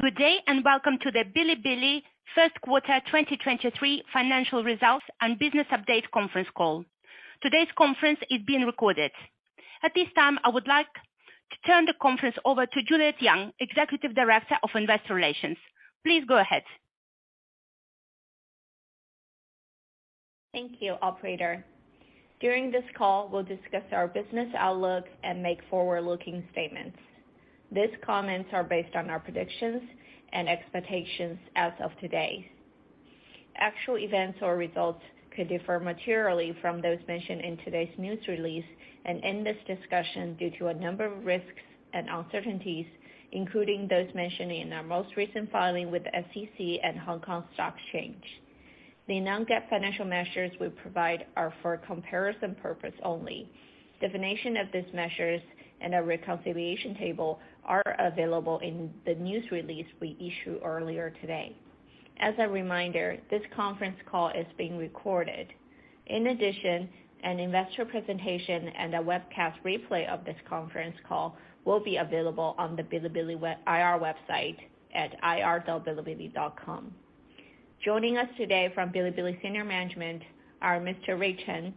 Good day. Welcome to the Bilibili first quarter 2023 financial results and business update conference call. Today's conference is being recorded. At this time, I would like to turn the conference over to Juliet Yang, Executive Director of Investor Relations. Please go ahead. Thank you, operator. During this call, we'll discuss our business outlook and make forward-looking statements. These comments are based on our predictions and expectations as of today. Actual events or results could differ materially from those mentioned in today's news release, and in this discussion, due to a number of risks and uncertainties, including those mentioned in our most recent filing with the SEC and Hong Kong Stock Exchange. The non-GAAP financial measures we provide are for comparison purpose only. Definition of these measures and a reconciliation table are available in the news release we issued earlier today. As a reminder, this conference call is being recorded. In addition, an investor presentation and a webcast replay of this conference call will be available on the Bilibili web IR website at ir.bilibili.com. Joining us today from Bilibili senior management are Mr. Rui Chen,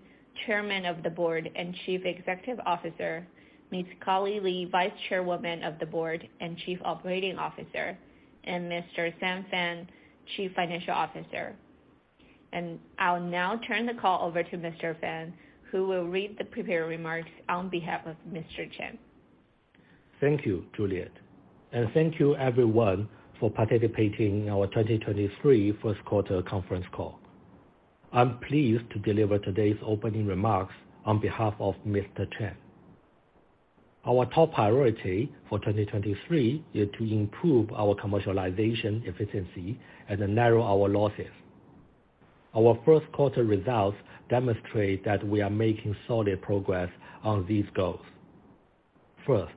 Chairman of the Board and Chief Executive Officer, Ms. Carly Lee, Vice Chairwoman of the Board and Chief Operating Officer, and Mr. Xin Fan, Chief Financial Officer. I'll now turn the call over to Mr. Fan, who will read the prepared remarks on behalf of Mr. Chen. Thank you, Juliet, and thank you everyone for participating in our 2023 first quarter conference call. I'm pleased to deliver today's opening remarks on behalf of Mr. Chen. Our top priority for 2023 is to improve our commercialization efficiency and narrow our losses. Our first quarter results demonstrate that we are making solid progress on these goals. First,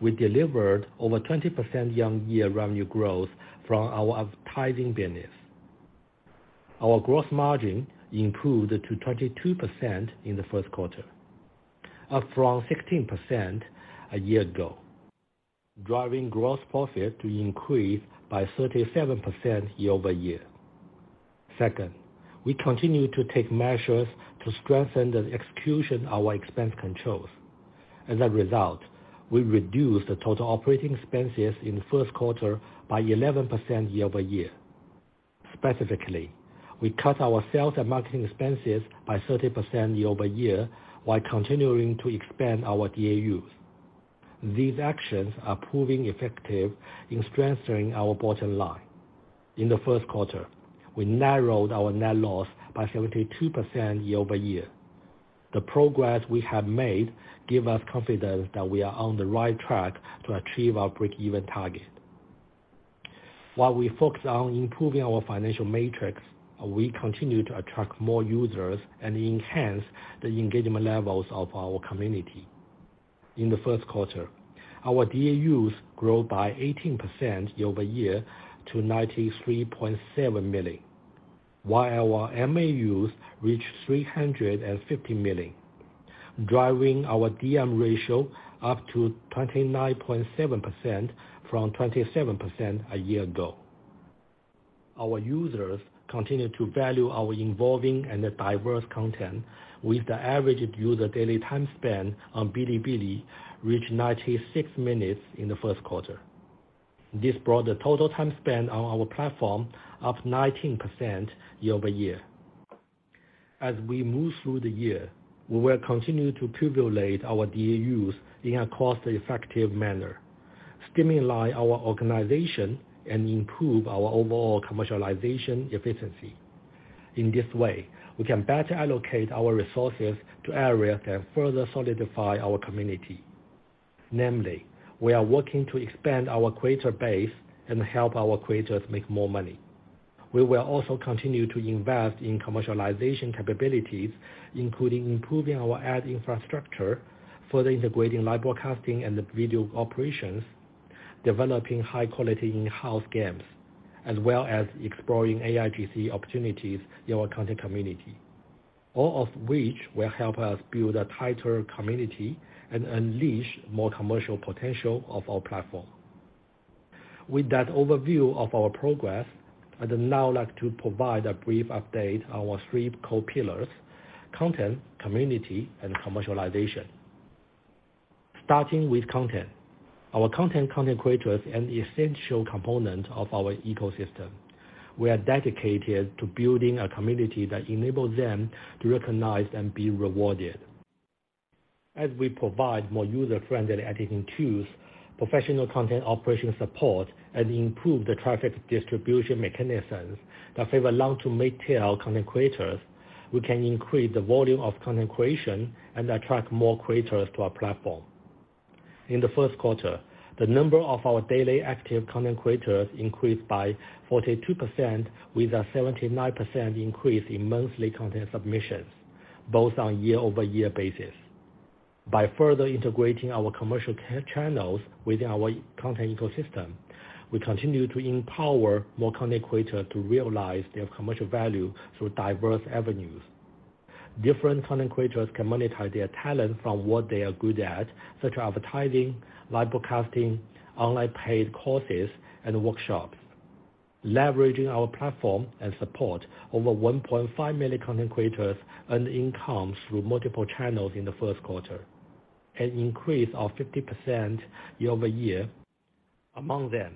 we delivered over 20% year-over-year revenue growth from our advertising business. Our gross margin improved to 22% in the first quarter, up from 16% a year ago, driving gross profit to increase by 37% year-over-year. Second, we continue to take measures to strengthen the execution of our expense controls. As a result, we reduced the total operating expenses in the first quarter by 11% year-over-year. Specifically, we cut our sales and marketing expenses by 30% year-over-year, while continuing to expand our DAUs. These actions are proving effective in strengthening our bottom line. In the first quarter, we narrowed our net loss by 72% year-over-year. The progress we have made give us confidence that we are on the right track to achieve our breakeven target. While we focus on improving our financial metrics, we continue to attract more users and enhance the engagement levels of our community. In the first quarter, our DAUs grew by 18% year-over-year to 93.7 million, while our MAUs reached 350 million, driving our DM ratio up to 29.7% from 27% a year ago. Our users continue to value our involving and diverse content, with the average user daily time spent on Bilibili reached 96 minutes in the first quarter. This brought the total time spent on our platform up 19% year-over-year. As we move through the year, we will continue to accumulate our DAUs in a cost-effective manner, streamline our organization, and improve our overall commercialization efficiency. In this way, we can better allocate our resources to areas that further solidify our community. Namely, we are working to expand our creator base and help our creators make more money. We will also continue to invest in commercialization capabilities, including improving our ad infrastructure, further integrating live broadcasting and the video operations, developing high-quality in-house games, as well as exploring AIGC opportunities in our content community, all of which will help us build a tighter community and unleash more commercial potential of our platform. With that overview of our progress, I'd now like to provide a brief update on our three core pillars: content, community, and commercialization. Starting with content. Our content comes creators an essential component of our ecosystem. We are dedicated to building a community that enables them to recognize and be rewarded. As we provide more user-friendly editing tools, professional content operation support, and improve the traffic distribution mechanisms that favor long to mid-tier content creators, we can increase the volume of content creation and attract more creators to our platform. In the first quarter, the number of our daily active content creators increased by 42%, with a 79% increase in monthly content submissions, both on year-over-year basis. By further integrating our commercial channels within our content ecosystem, we continue to empower more content creators to realize their commercial value through diverse avenues. Different content creators can monetize their talent from what they are good at, such as advertising, live broadcasting, online paid courses, and workshops. Leveraging our platform and support, over 1.5 million content creators earned income through multiple channels in the first quarter, an increase of 50% year-over-year. Among them,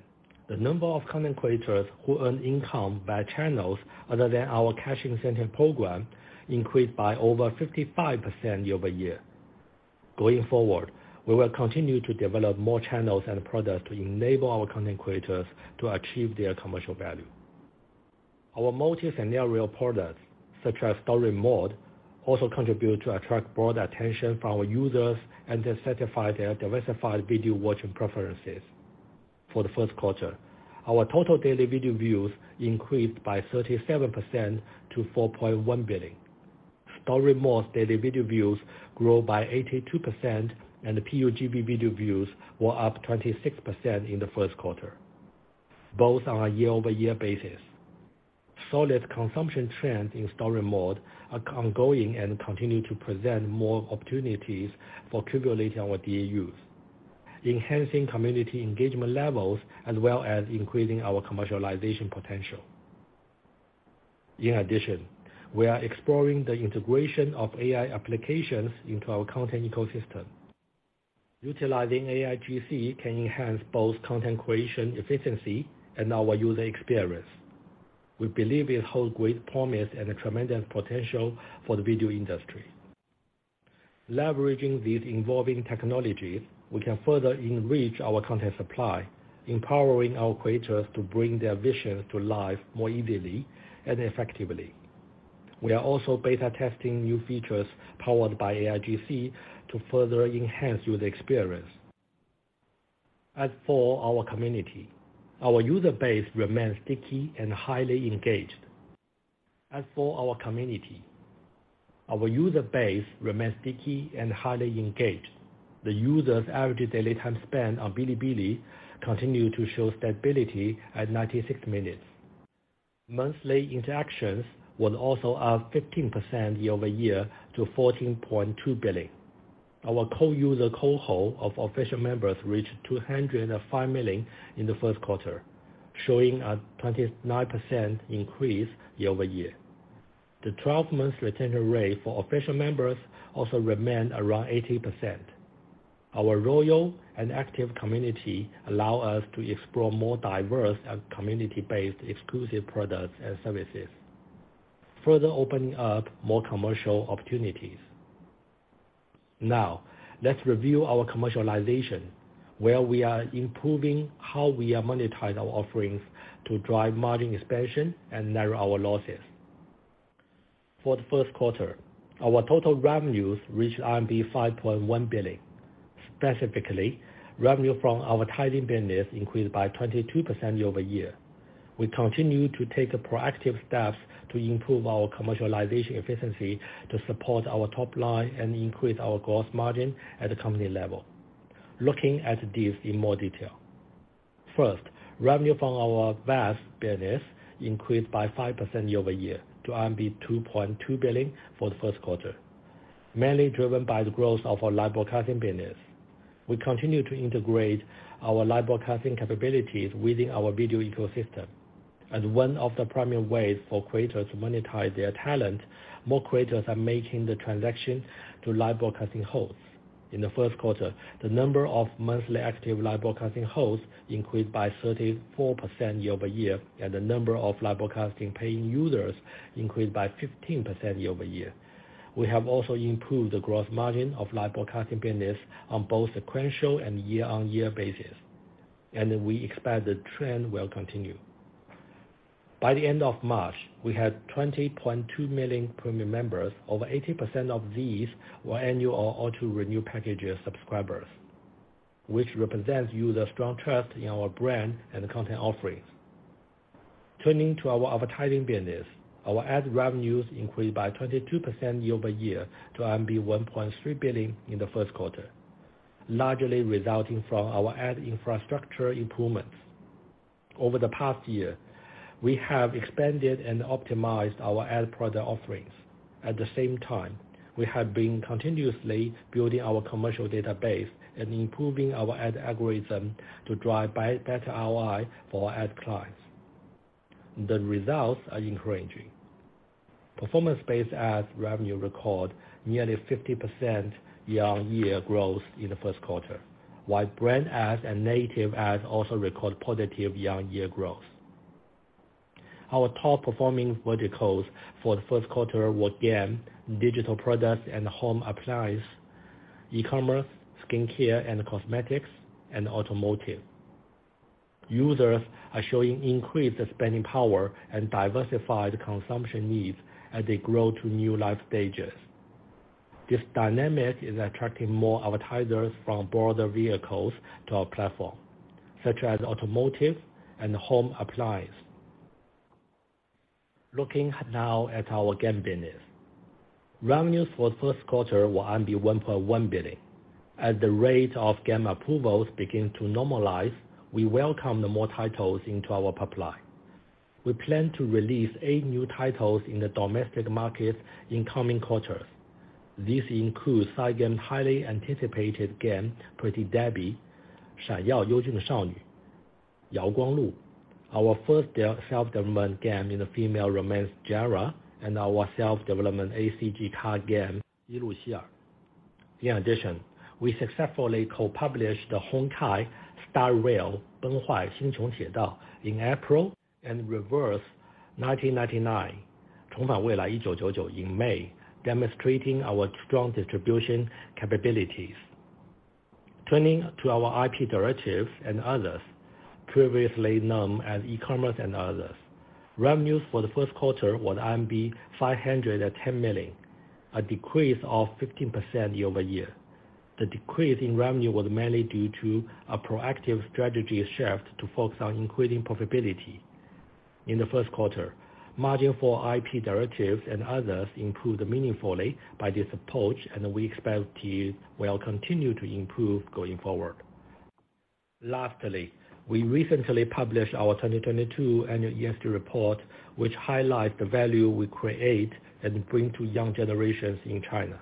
the number of content creators who earned income by channels other than our cash incentive program increased by over 55% year-over-year. Going forward, we will continue to develop more channels and products to enable our content creators to achieve their commercial value. Our resonant and multi-scenario products, such as Story Mode, also contribute to attract broader attention from our users then satisfy their diversified video watching preferences. For the first quarter, our total daily video views increased by 37% to 4.1 billion. Story Mode daily video views grew by 82%, the PUBG video views were up 26% in the first quarter, both on a year-over-year basis. Solid consumption trends in Story Mode are ongoing and continue to present more opportunities for accumulating our DAUs, enhancing community engagement levels, as well as increasing our commercialization potential. In addition, we are exploring the integration of AI applications into our content ecosystem. Utilizing AIGC can enhance both content creation efficiency and our user experience. We believe it holds great promise and a tremendous potential for the video industry. Leveraging these involving technologies, we can further enrich our content supply, empowering our creators to bring their vision to life more easily and effectively. We are also beta testing new features powered by AIGC to further enhance user experience. As for our community, our user base remains sticky and highly engaged. The users' average daily time spent on Bilibili continue to show stability at 96 minutes. Monthly interactions were also up 15% year-over-year to 14.2 billion. Our core user cohort of official members reached 205 million in the first quarter, showing a 29% increase year-over-year. The 12-month retention rate for official members also remained around 80%. Our loyal and active community allow us to explore more diverse and community-based exclusive products and services, further opening up more commercial opportunities. Let's review our commercialization, where we are improving how we are monetizing our offerings to drive margin expansion and narrow our losses. For the first quarter, our total revenues reached RMB 5.1 billion. Specifically, revenue from our advertising business increased by 22% year-over-year. We continue to take proactive steps to improve our commercialization efficiency to support our top line and increase our gross margin at the company level. Looking at this in more detail. First, revenue from our VAS business increased by 5% year-over-year to RMB 2.2 billion for the first quarter, mainly driven by the growth of our live broadcasting business. We continue to integrate our live broadcasting capabilities within our video ecosystem. As one of the primary ways for creators to monetize their talent, more creators are making the transaction to live broadcasting hosts. In the first quarter, the number of monthly active live broadcasting hosts increased by 34% year-over-year, and the number of live broadcasting paying users increased by 15% year-over-year. We have also improved the gross margin of live broadcasting business on both sequential and year-on-year basis, and we expect the trend will continue. By the end of March, we had 20.2 million premium members. Over 80% of these were annual or auto-renew packages subscribers, which represents user strong trust in our brand and content offerings. Turning to our advertising business, our ad revenues increased by 22% year-over-year to 1.3 billion in the first quarter, largely resulting from our ad infrastructure improvements. Over the past year, we have expanded and optimized our ad product offerings. At the same time, we have been continuously building our commercial database and improving our ad algorithm to drive better ROI for our ad clients. The results are encouraging. Performance-based ads revenue record, nearly 50% year-on-year growth in the first quarter, while brand ads and native ads also record positive year-on-year growth. Our top performing verticals for the first quarter were game, digital products and home appliance, e-commerce, skincare and cosmetics, and automotive. Users are showing increased spending power and diversified consumption needs as they grow to new life stages. This dynamic is attracting more advertisers from broader vehicles to our platform, such as automotive and home appliance. Looking now at our game business. Revenues for the first quarter were 1.1 billion. As the rate of game approvals begins to normalize, we welcome the more titles into our pipeline. We plan to release eight new titles in the domestic market in coming quarters. This includes Cygames' highly anticipated game, Pretty Derby: 闪耀！优俊少女, 遥光录, our first self-development game in the female romance genre, and our self-development ACG card game, 依露希尔. We successfully co-published Honkai: Star Rail: 崩坏：星穹铁道 in April, and Reverse: 1999, 重返未来：1999, in May, demonstrating our strong distribution capabilities. Our IP derivatives and others, previously known as e-commerce and others. Revenues for the first quarter were 510 million, a decrease of 15% year-over-year. The decrease in revenue was mainly due to a proactive strategy shift to focus on increasing profitability. In the first quarter, margin for IP derivatives and others improved meaningfully by this approach. We expect it will continue to improve going forward. Lastly, we recently published our 2022 annual ESG report, which highlights the value we create and bring to young generations in China.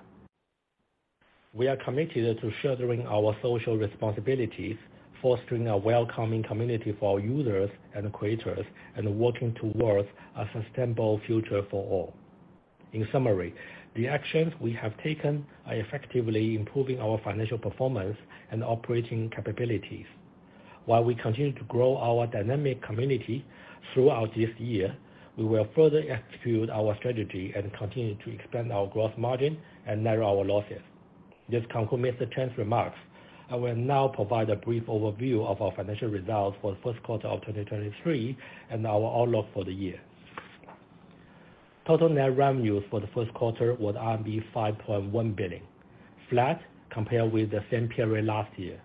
We are committed to furthering our social responsibilities, fostering a welcoming community for our users and creators, and working towards a sustainable future for all. In summary, the actions we have taken are effectively improving our financial performance and operating capabilities. While we continue to grow our dynamic community throughout this year, we will further execute our strategy and continue to expand our growth margin and narrow our losses. This concludes the Chen's remarks. I will now provide a brief overview of our financial results for the first quarter of 2023 and our outlook for the year. Total net revenues for the first quarter were RMB 5.1 billion, flat compared with the same period last year.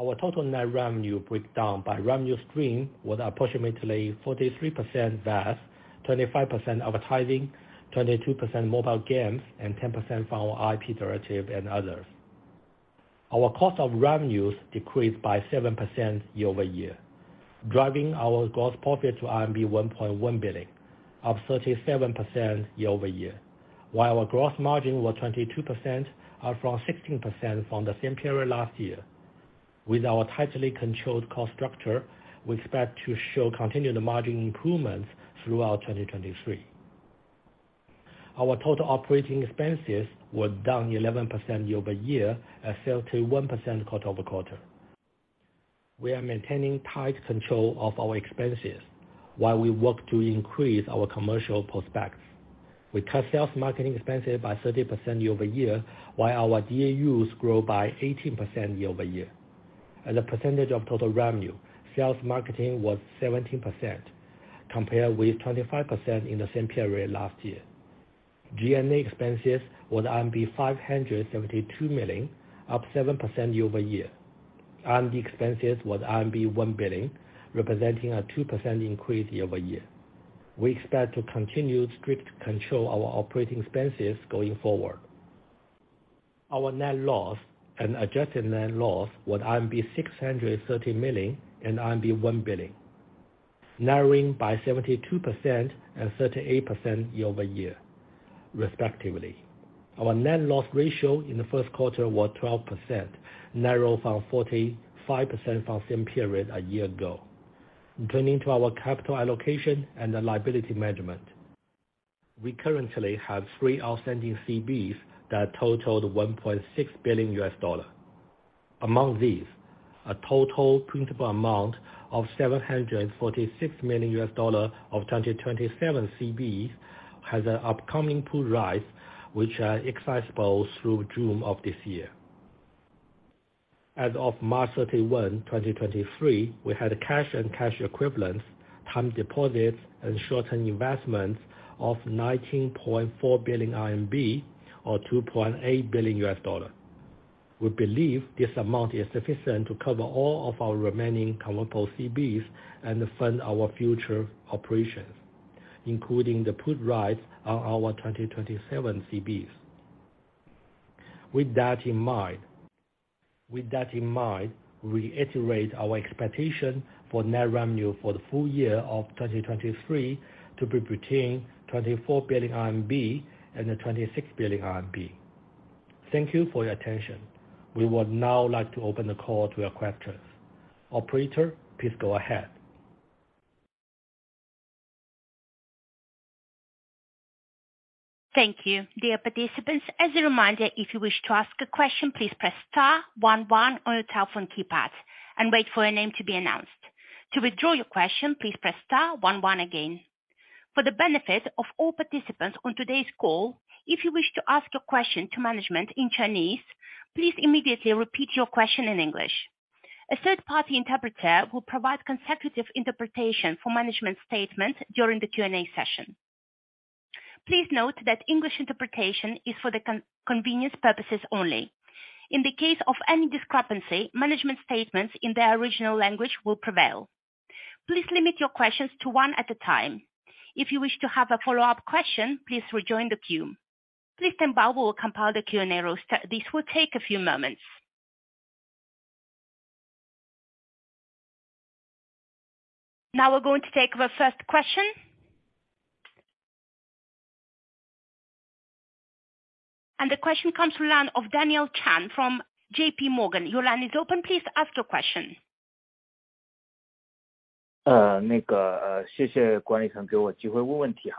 Our total net revenue breakdown by revenue stream was approximately 43% VAS, 25% advertising, 22% mobile games, and 10% from our IP derivatives and others. Our cost of revenues decreased by 7% year-over-year, driving our gross profit to RMB 1.1 billion, up 37% year-over-year. Our gross margin was 22%, up from 16% from the same period last year. With our tightly controlled cost structure, we expect to show continued margin improvements throughout 2023. Our total operating expenses were down 11% year-over-year, 31% quarter-over-quarter. We are maintaining tight control of our expenses while we work to increase our commercial prospects. We cut sales marketing expenses by 30% year-over-year, while our DAUs grew by 18% year-over-year. As a percentage of total revenue, sales marketing was 17%, compared with 25% in the same period last year. G&A expenses were RMB 572 million, up 7% year-over-year. R&D expenses was RMB 1 billion, representing a 2% increase year-over-year. We expect to continue strict control our operating expenses going forward. Our net loss and adjusted net loss was 630 million and 1 billion, narrowing by 72% and 38% year-over-year, respectively. Our net loss ratio in the first quarter was 12%, narrow from 45% from same period a year ago. Turning to our capital allocation and the liability management. We currently have 3 outstanding CBs that totaled $1.6 billion. Among these, a total principal amount of $746 million of 2027 CBs has an upcoming put right, which are exercisable through June of this year. As of March 31st, 2023, we had cash and cash equivalents, time deposits, and short-term investments of 19.4 billion RMB, or $2.8 billion. We believe this amount is sufficient to cover all of our remaining convertible CBs and fund our future operations, including the put rights on our 2027 CBs. With that in mind, we reiterate our expectation for net revenue for the full year of 2023 to be between 24 billion RMB and 26 billion RMB. Thank you for your attention. We would now like to open the call to your questions. Operator, please go ahead. Thank you. Dear participants, as a reminder, if you wish to ask a question, please press star one one on your telephone keypad and wait for your name to be announced. To withdraw your question, please press star one one again. For the benefit of all participants on today's call, if you wish to ask a question to management in Chinese, please immediately repeat your question in English. A third-party interpreter will provide consecutive interpretation for management statement during the Q&A session. Please note that English interpretation is for the convenience purposes only. In the case of any discrepancy, management statements in their original language will prevail. Please limit your questions to one at a time. If you wish to have a follow-up question, please rejoin the queue. Please stand by, we will compile the Q&A roster. This will take a few moments. Now we're going to take the first question. The question comes from the line of Daniel Chen from JPMorgan. Your line is open. Please ask your question. 谢谢管理层给我机会问问题。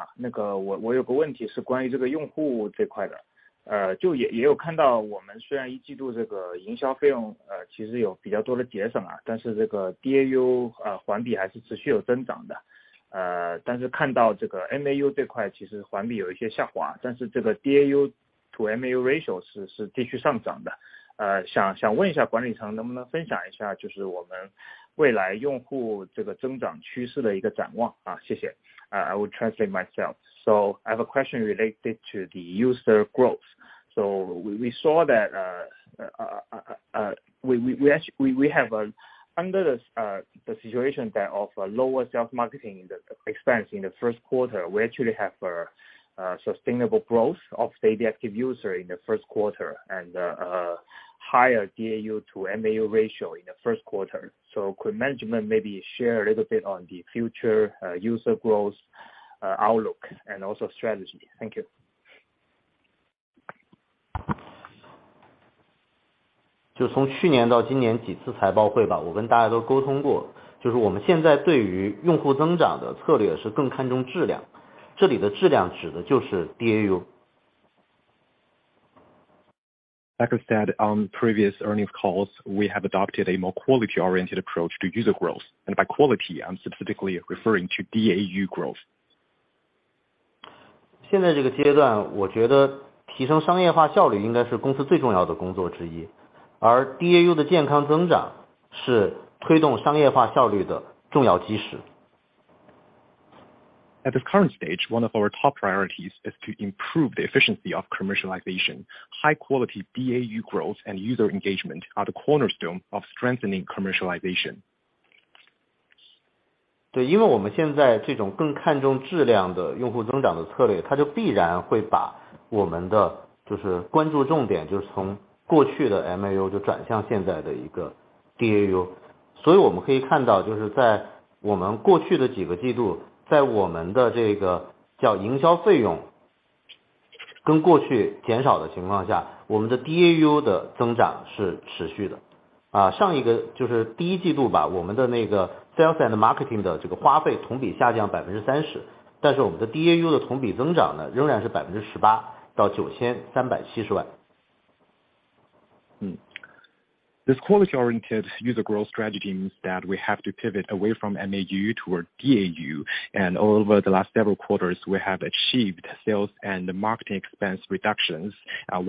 我有个问题是关于这个用户这块 的， 我们虽然 Q1 这个营销费用其实有比较多的节 省， 但是这个 DAU 环比还是持续有增长的。但是看到这个 MAU 这块其实环比有一些下 滑， 但是这个 DAU to MAU ratio 是持续上涨的。问一下管理层能不能分享一 下， 就是我们未来用户这个增长趋势的一个展望。谢谢。I have a question related to the user growth. We saw that we actually, we have a under the situation that of a lower self marketing in the expense in the first quarter, we actually have a sustainable growth of daily active user in the first quarter and a higher DAU to MAU ratio in the first quarter. Could management maybe share a little bit on the future user growth outlook and also strategy? Thank you. 就从去年到今年几次财报会 吧， 我跟大家都沟通 过， 就是我们现在对于用户增长的策略是更看重质 量， 这里的质量指的就是 DAU. Like I said, on previous earnings calls, we have adopted a more quality-oriented approach to user growth. By quality, I'm specifically referring to DAU growth. 现在这个阶 段， 我觉得提升商业化效率应该是公司最重要的工作之 一， 而 DAU 的健康增长是推动商业化效率的重要基石。At this current stage, one of our top priorities is to improve the efficiency of commercialization. High quality DAU growth and user engagement are the cornerstone of strengthening commercialization. 对， 因为我们现在这种更看重质量的用户增长的策 略， 它就必然会把我们的就是关注重 点， 就是从过去的 MAU 就转向现在的一个 DAU。所以我们可以看 到， 就是在我们过去的几个季度，在我们的这个叫营销费用跟过去减少的情况 下， 我们的 DAU 的增长是持续的。啊， 上一个就是第一季度 吧， 我们的那个 sales and marketing 的这个花费同比下降百分之三 十， 但是我们的 DAU 的同比增长 呢， 仍然是百分之十八到九千三百七十万。嗯。This quality-oriented user growth strategy means that we have to pivot away from MAU toward DAU. Over the last several quarters, we have achieved sales and marketing expense reductions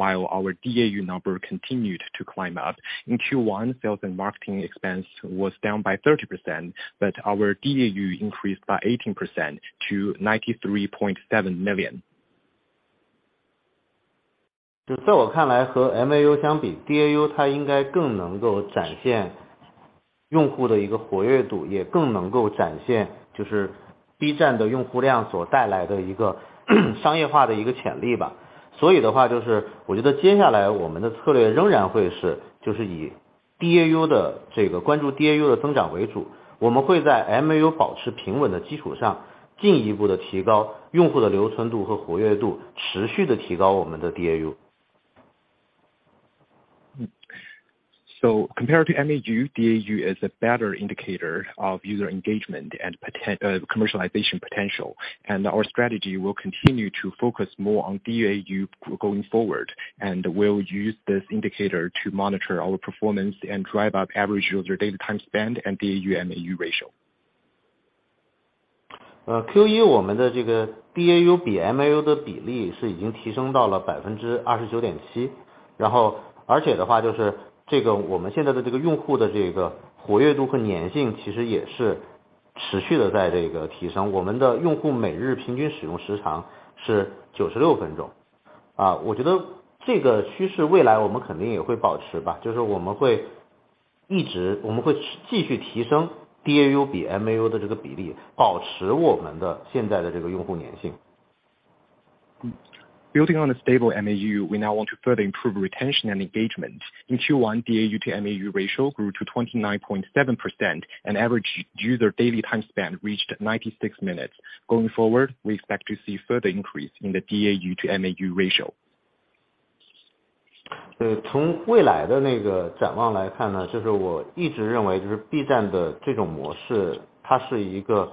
while our DAU number continued to climb up. In Q1, sales and marketing expense was down by 30%. Our DAU increased by 18% to 93.7 million. 就在我看 来， 和 MAU 相比 ，DAU 它应该更能够展现用户的一个活跃 度， 也更能够展现就是 B 站的用户量所带来的一个商业化的一个潜力吧。我觉得接下来我们的策略仍然会是就是以 DAU 的这个关注 DAU 的增长为 主， 我们会在 MAU 保持平稳的基础 上， 进一步地提高用户的留存度和活跃 度， 持续地提高我们的 DAU。Compared to MAU, DAU is a better indicator of user engagement and commercialization potential, and our strategy will continue to focus more on DAU going forward, and we'll use this indicator to monitor our performance and drive up average user data, time spent, and DAU/MAU ratio. 呃 ，Q1 我们的这个 DAU 比 MAU 的比例是已经提升到了百分之二十九点 七， 然后而且的话就是这个我们现在的这个用户的这个活跃度和粘 性， 其实也是持续地在这个提升。我们的用户每日平均使用时长是九十六分钟。啊， 我觉得这个趋势未来我们肯定也会保持 吧， 就是我们会一 直， 我们会去继续提升 DAU 比 MAU 的这个比 例， 保持我们的现在的这个用户粘性。Building on a stable MAU, we now want to further improve retention and engagement. In Q1, DAU to MAU ratio grew to 29.7% and average user daily time span reached 96 minutes. Going forward, we expect to see further increase in the DAU to MAU ratio. 从未来的那个展望来看 呢， 就是我一直认为就是 B 站的这种模 式， 它是一个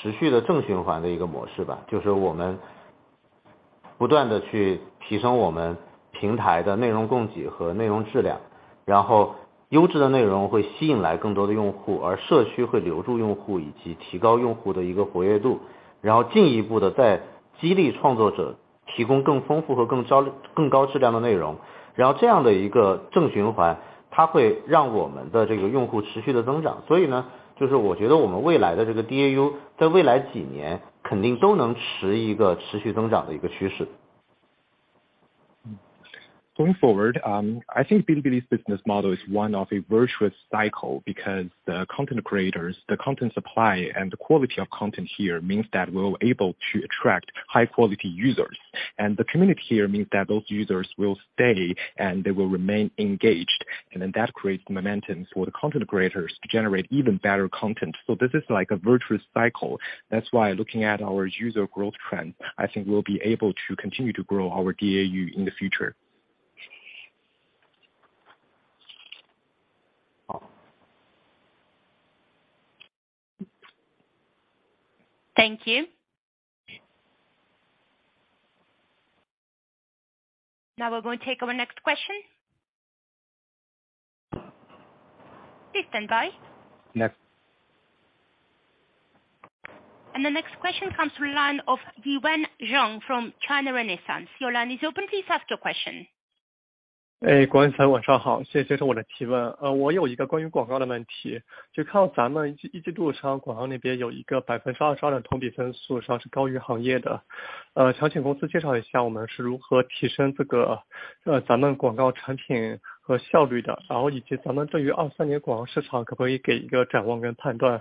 持续的正循环的一个模式吧。就是我们不断地去提升我们平台的内容供给和内容质 量， 优质的内容会吸引来更多的用 户， 而社区会留住用 户， 以及提高用户的一个活跃 度， 进一步地再激励创作者提供更丰富和更高质量的内容。这样的一个正循 环， 它会让我们的这个用户持续地增长。就是我觉得我们未来的这个 DAU 在未来几年肯定都能持一个持续增长的一个趋势。Going forward, I think Bilibili's business model is one of a virtuous cycle, because the content creators, the content supply, and the quality of content here means that we're able to attract high quality users. The community here means that those users will stay and they will remain engaged, and then that creates momentum for the content creators to generate even better content. This is like a virtuous cycle. Looking at our user growth trend, I think we'll be able to continue to grow our DAU in the future. Thank you. Now we're going to take our next question. Please stand by. Next. The next question comes to line of Yiwen Zhang from China Renaissance. Your line is open. Please ask your question. 哎， 国联财险晚上 好， 谢 谢！ 这是我的提问。呃， 我有一个关于广告的问 题， 就靠咱们一季度上广告那边有一个百分之二十二的同比增 速， 算是高于行业的。呃， 想请公司介绍一下我们是如何提升这 个， 呃， 咱们广告产品和效率 的， 然后以及咱们对于二三年广告市场可不可以给一个展望跟判 断，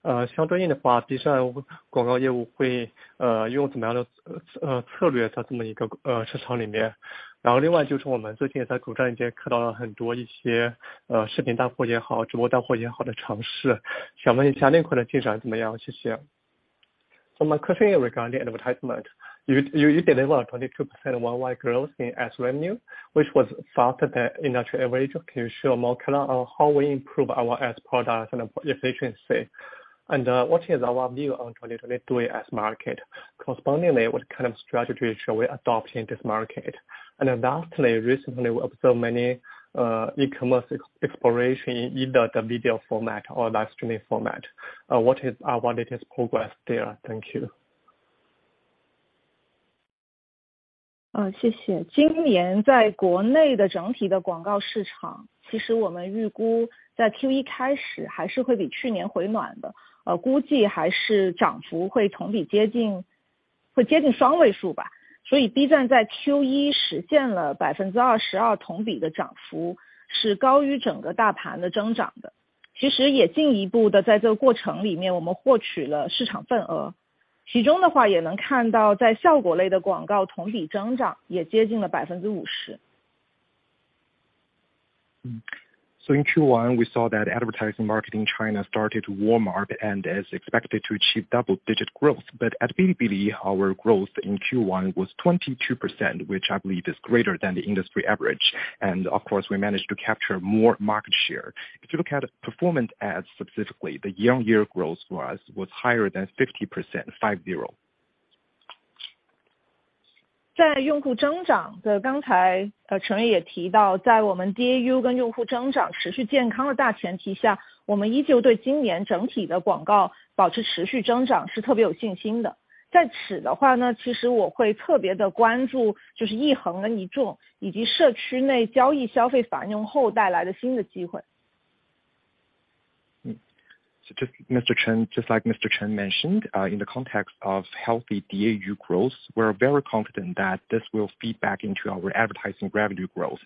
呃， 相对应的话 ，B 站广告业务 会， 呃， 用怎么样 的， 呃， 呃策略在这么一 个， 呃， 市场里面。然后另外就是我们最近在短视频看到很多一 些， 呃， 视频大 V 也 好， 直播大 V 也好的尝 试， 想问一下另外的进展怎么 样？ 谢谢。My question regarding advertisement, you deliver 22% YY growth in ads revenue, which was faster than industry average. Can you share more color on how we improve our ads products and efficiency? What is our view on 2022 ads market? Correspondingly, what kind of strategies shall we adopt in this market? Lastly, recently we observed many e-commerce exploration in either the video format or live streaming format. What is our latest progress there? Thank you. 嗯， 谢谢。今年在国内的整体的广告市 场， 其实我们预估在 Q1 开始还是会比去年回暖 的， 呃， 估计还是涨幅会同比接 近， 会接近双位数吧。所以 B 站在 Q1 实现了百分之二十 二， 同比的涨幅是高于整个大盘的增长 的， 其实也进一步的在这个过程里 面， 我们获取了市场份 额， 其中的话也能看 到， 在效果类的广告同比增长也接近了百分之五十。In Q1, we saw that advertising market in China started warm up and is expected to achieve double-digit growth. At Bilibili, our growth in Q1 was 22%, which I believe is greater than the industry average. Of course, we managed to capture more market share. If you look at performance ads specifically, the year-over-year growth was higher than 50%. 在用户增长的刚 才， 呃， 陈也提 到， 在我们 DAU 跟用户增长持续健康的大前提 下， 我们依旧对今年整体的广告保持持续增长是特别有信心的。在此的话 呢， 其实我会特别的关 注， 就是一横跟一 纵， 以及社区内交易消费繁荣后带来的新的机会。Just Mr. Chen, just like Mr. Chen mentioned, in the context of healthy DAU growth, we are very confident that this will feed back into our advertising revenue growth.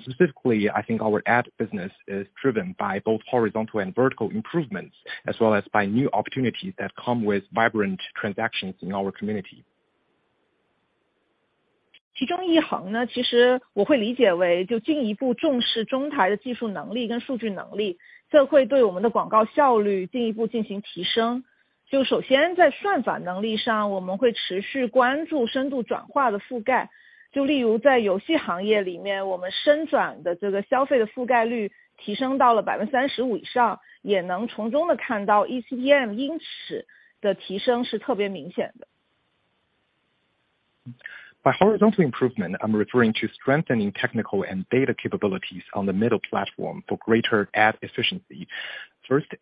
Specifically, I think our ad business is driven by both horizontal and vertical improvements, as well as by new opportunities that come with vibrant transactions in our community. 其中一横 呢， 其实我会理解为就进一步重视中台的技术能力跟数据能 力， 这会对我们的广告效率进一步进行提升。就首先在算法能力 上， 我们会持续关注深度转化的覆盖。就例如在游戏行业里 面， 我们升转的这个消费的覆盖率提升到了 35% 以 上， 也能从当中看到 ECPM 因此的提升是特别明显的。By horizontal improvement, I'm referring to strengthening technical and data capabilities on the middle platform for greater ad efficiency.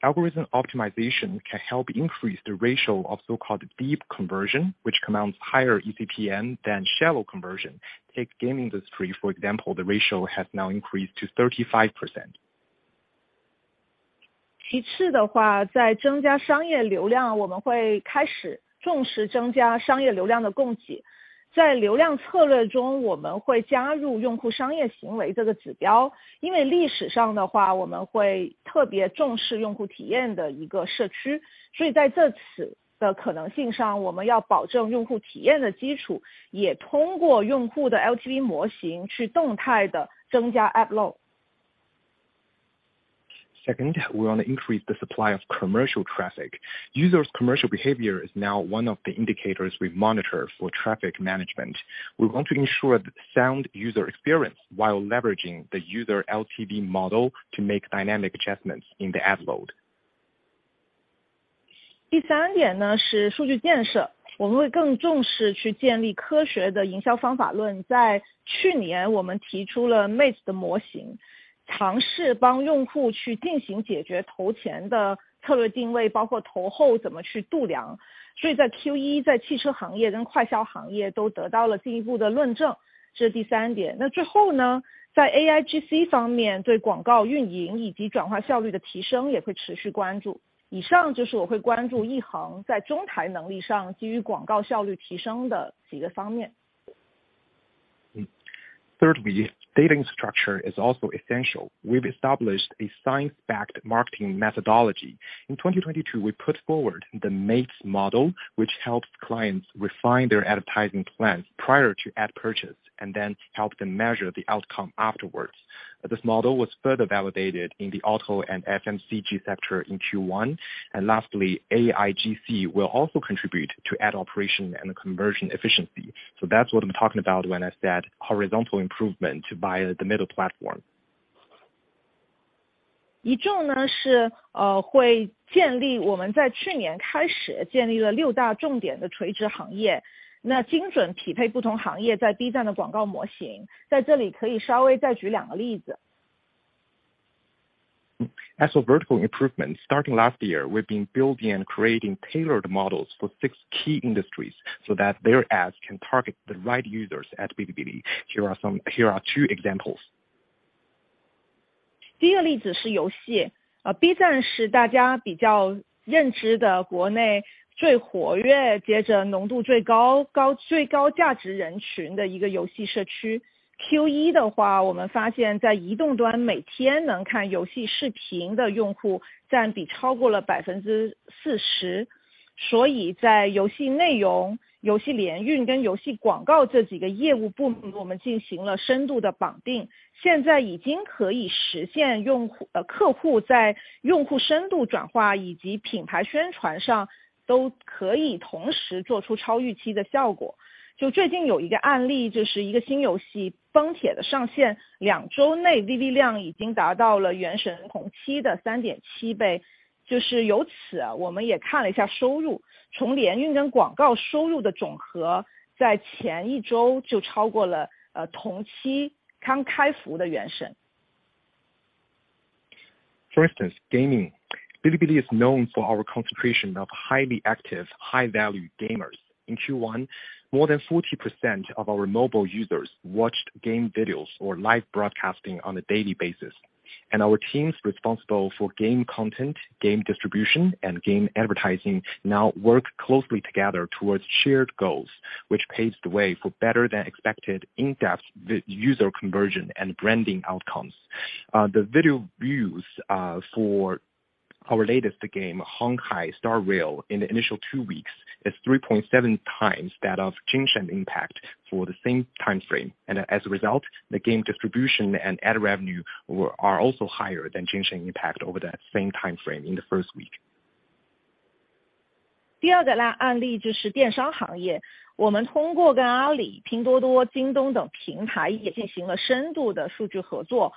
Algorithm optimization can help increase the ratio of so-called deep conversion, which commands higher ECPM than shallow conversion. Take game industry, for example. The ratio has now increased to 35%. 其次的 话， 在增加商业流 量， 我们会开始重视增加商业流量的供给。在流量策略 中， 我们会加入用户商业行为这个指 标， 因为历史上的 话， 我们会特别重视用户体验的一个社 区， 所以在在此的可能性 上， 我们要保证用户体验的基 础， 也通过用户的 LTV 模型去动态地增加 ad load。Second, we want to increase the supply of commercial traffic. Users' commercial behavior is now one of the indicators we monitor for traffic management. We want to ensure sound user experience while leveraging the user LTV model to make dynamic adjustments in the ad load. 第三点 呢， 是数据建 设， 我们会更重视去建立科学的营销方法论。在去年我们提出了 MATES 的模 型， 尝试帮用户去进行解决投前的策略定 位， 包括投后怎么去度量。所以在 Q1， 在汽车行业跟快消行业都得到了进一步的论 证， 这是第三点。那最后 呢， 在 AIGC 方 面， 对广告运营以及转化效率的提升也会持续关注。以上就是我会关注一行在中台能力上基于广告效率提升的几个方面。Thirdly, data structure is also essential. We've established a science-backed marketing methodology. In 2022, we put forward the MATES model, which helps clients refine their advertising plans prior to ad purchase, and then help them measure the outcome afterwards. This model was further validated in the auto and FMCG sector in Q1. Lastly, AIGC will also contribute to ad operation and conversion efficiency. That's what I'm talking about when I said horizontal improvement by the middle platform. 种呢 是， 呃， 会建立我们在去年开始建立了六大重点的垂直行 业， 那精准匹配不同行业在 B 站的广告模型。在这里可以稍微再举两个例子。As for vertical improvement, starting last year, we've been building and creating tailored models for six key industries, so that their ads can target the right users at Bilibili. Here are two examples. 第一个例子是游 戏. B 站是大家比较认知的国内最活 跃， 接着浓度最 高， 最高价值人群的一个游戏社 区. Q1 的 话， 我们发现在移动端每天能看游戏视频的用户占比超过了 40%. 在游戏内容、游戏联运跟游戏广告这几个业务部 门， 我们进行了深度的绑 定， 现在已经可以实现用 户， 客户在用户深度转化以及品牌宣传上都可以同时做出超预期的效 果. 最近有一个案 例， 就是一个新游戏崩铁的上 线， 2周内 UV 量已经达到了原神同期的 3.7 倍. 由 此， 我们也看了一下收 入， 从联运跟广告收入的总 和， 在前一周就超过了同期刚开服的 原神. For instance, gaming. Bilibili is known for our concentration of highly active, high-value gamers. In Q1, more than 40% of our mobile users watched game videos or live broadcasting on a daily basis, and our teams responsible for game content, game distribution, and game advertising now work closely together towards shared goals, which paves the way for better than expected in-depth user conversion and branding outcomes. The video views for our latest game, Honkai: Star Rail, in the initial two weeks is 3.7x that of Genshin Impact for the same time frame. As a result, the game distribution and ad revenue are also higher than Genshin Impact over that same time frame in the first week. 第二个 案， 案例就是电商行 业， 我们通过跟阿里、拼多多、京东等平台也进行了深度的数据合作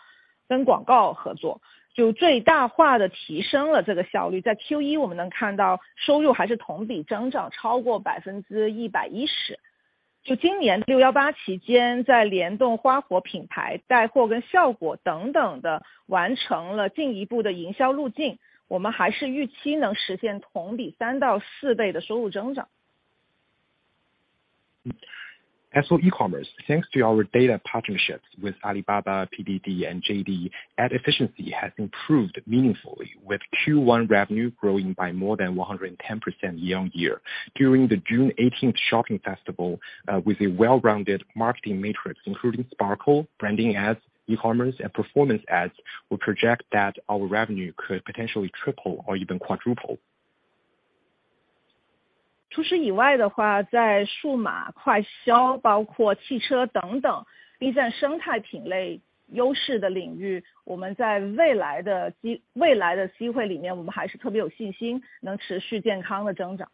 跟广告合 作， 就最大化地提升了这个效率。在 Q1 我们能看到收入还是同比增长超过百分之一百一十。就今年六一八期 间， 在联动花火品牌带货跟效果等等的完成了进一步的营销路 径， 我们还是预期能实现同比三到四倍的收入增长。As for e-commerce, thanks to our data partnerships with Alibaba, PDD, and JD, ad efficiency has improved meaningfully, with Q1 revenue growing by more than 110% year-over-year. During the June Eighteenth Shopping Festival, with a well-rounded marketing matrix including Sparkle, branding ads, e-commerce, and performance ads, we project that our revenue could potentially triple or even quadruple. 除此以外的 话， 在数码、快 消， 包括汽车等等 Bilibili 生态品类优势的领 域， 我们在未来的机会里 面， 我们还是特别有信心能持续健康地增 长.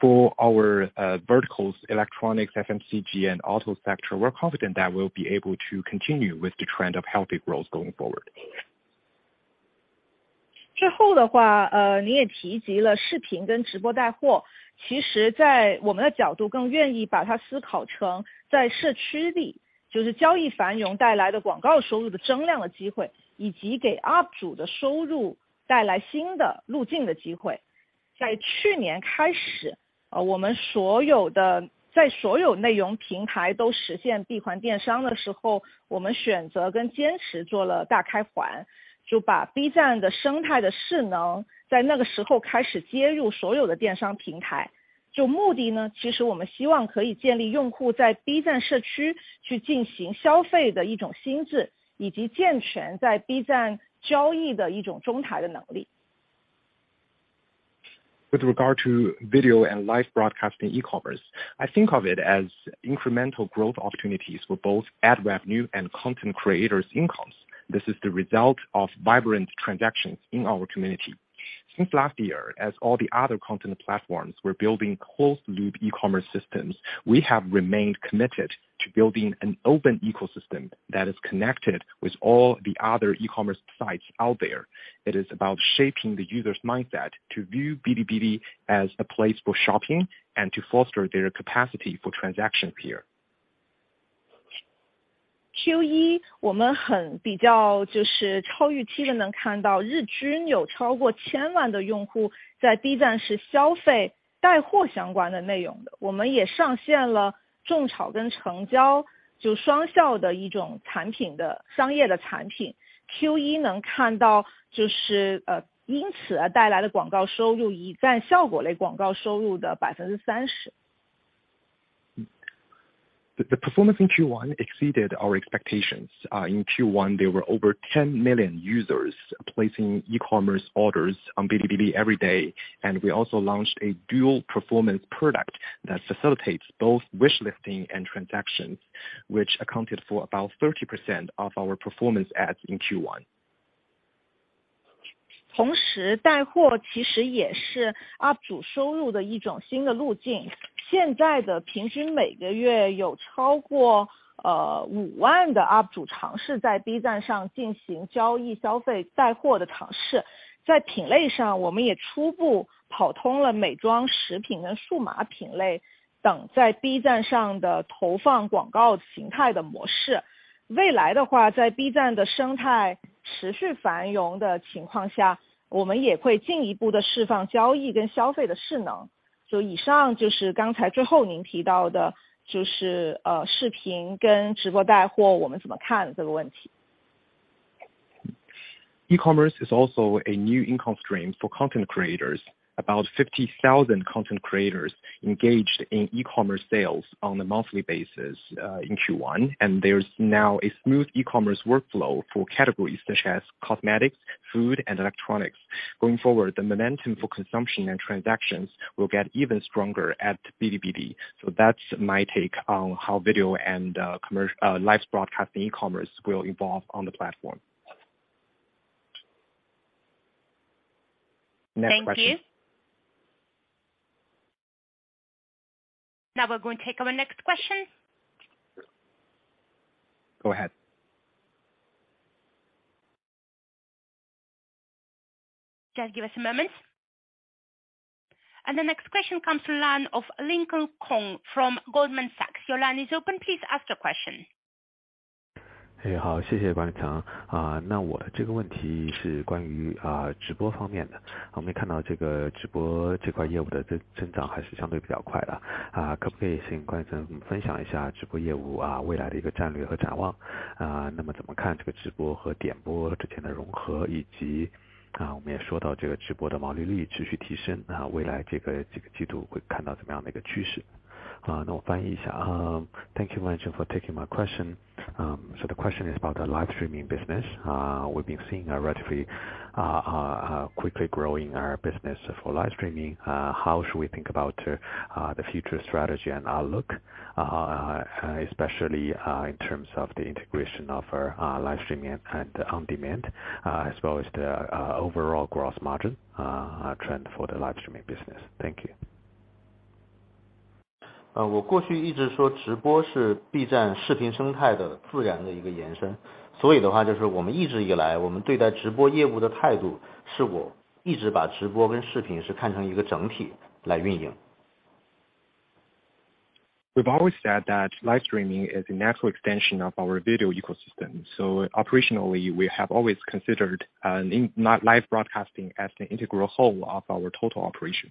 For our verticals, electronics, FMCG, and auto sector, we're confident that we'll be able to continue with the trend of healthy growth going forward. 之后的 话， 你也提及了视频跟直播带 货， 其实在我们的角 度， 更愿意把它思考成在社区 里， 就是交易繁荣带来的广告收入的增量的机 会， 以及给 UP 主的收入带来新的路径的机会。在去年开 始， 我们在所有内容平台都实现闭环电商的时 候， 我们选择跟坚持做了大开环，就把 B 站的生态的势 能， 在那个时候开始接入所有的电商平台。这目的 呢， 其实我们希望可以建立用户在 B 站社区去进行消费的一种新 姿， 以及健全在 B 站交易的一种中台的能力。With regard to video and live broadcasting e-commerce, I think of it as incremental growth opportunities for both ad revenue and content creators' incomes. This is the result of vibrant transactions in our community. Since last year, as all the other content platforms were building closed-loop e-commerce systems, we have remained committed to building an open ecosystem that is connected with all the other e-commerce sites out there. It is about shaping the users' mindset to view Bilibili as a place for shopping and to foster their capacity for transaction here. Q1 我们很比 较， 就是超预期的能看到日均有超过10 million 的用户在 B 站是消费带货相关的内容 的， 我们也上线了种草跟成交就双效的一种产品的商业的产品。Q1 能看到就 是， 因此而带来的广告收 入， 已占效果类广告收入的 30%。The performance in Q1 exceeded our expectations. In Q1, there were over 10 million users placing e-commerce orders on Bilibili every day, and we also launched a dual performance product that facilitates both wish listing and transactions, which accounted for about 30% of our performance ads in Q1. 同 时， 带货其实也是 UP 主收入的一种新的路径。现在的平均每个月有超 过， 呃， 五万的 UP 主尝试在 B 站上进行交易消费带货的尝试。在品类 上， 我们也初步跑通了美妆、食品跟数码品类等在 B 站上的投放广告形态的模式。未来的 话， 在 B 站的生态持续繁荣的情况下，我们也会进一步地释放交易跟消费的势能。所以以上就是刚才最后您提到 的， 就 是， 呃， 视频跟直播带 货， 我们怎么看这个问题。E-commerce is also a new income stream for content creators. About 50,000 content creators engaged in e-commerce sales on a monthly basis in Q1. There's now a smooth e-commerce workflow for categories such as cosmetics, food, and electronics. Going forward, the momentum for consumption and transactions will get even stronger at Bilibili. That's my take on how video and live broadcasting e-commerce will evolve on the platform. Next question. Thank you. We're going to take our next question. Go ahead. Just give us a moment. The next question comes to line of Lincoln Kong from Goldman Sachs. Your line is open. Please ask your question. 好，谢谢 帮你强。我这个问题是关于直播方面的。我们看到这个直播这块业务的增长还是相对比较快的。可不可以先分享一下直播业务未来的一个战略和展 望？怎 么看这个直播和点播之间的融 合，以 及我们也说到这个直播的毛利率持续提 升，未 来这个季度会看到怎么样的一个趋 势？我 翻译一 下。Thank you very much for taking my question. The question is about the live streaming business. We've been seeing a relatively quickly growing our business for live streaming. How should we think about the future strategy and outlook, especially in terms of the integration of our live streaming and on demand, as well as the overall gross margin trend for the live streaming business? Thank you. 我过去一直说直播是 B 站视频生态的自然的一个延伸。的话就是我们一直以来我们对待直播业务的态 度, 是我一直把直播跟视频是看成一个整体来运 营. We've always said that live streaming is a natural extension of our video ecosystem, so operationally, we have always considered, in live broadcasting as an integral whole of our total operation.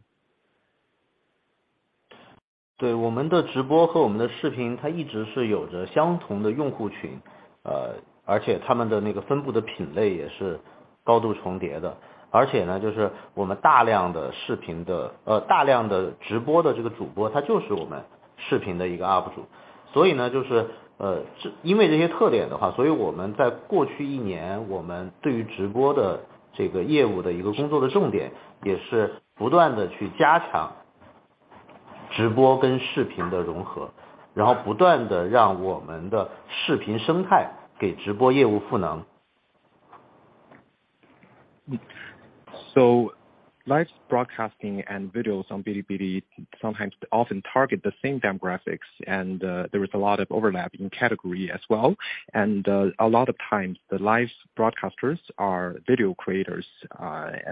对, 我们的直播和我们的视 频, 它一直是有着相同的用户 群, 而且他们的那个分布的品类也是高度重叠 的. 就是我们大量的视频 的, 大量的直播的这个主 播, 他就是我们视频的一个 UP 主. 就是因为这些特点的 话, 所以我们在过去一 年, 我们对于直播的这个业务的一个工作的重 点, 也是不断地去加强直播跟视频的融 合, 然后不断地让我们的视频生态给直播业务赋 能. Live broadcasting and videos on Bilibili sometimes often target the same demographics, and there is a lot of overlap in category as well. A lot of times, the live broadcasters are video creators.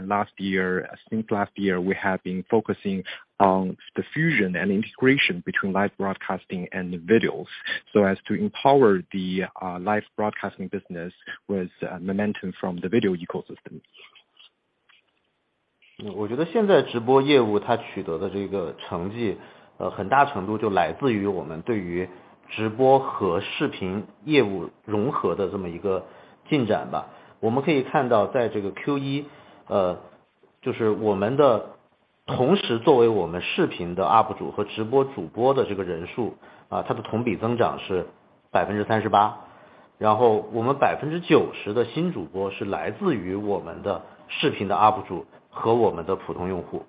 Last year, since last year, we have been focusing on the fusion and integration between live broadcasting and videos, so as to empower the live broadcasting business with momentum from the video ecosystem. 我觉得现在直播业务它取得的这个成 绩， 很大程度就来自于我们对于直播和视频业务融合的这么一个进展吧。我们可以看到在这个 Q1， 就是我们的同 时， 作为我们视频的 UP 主和直播主播的这个人 数， 它的同比增长是 38%， 然后我们 90% 的新主播是来自于我们的视频的 UP 主和我们的普通用户。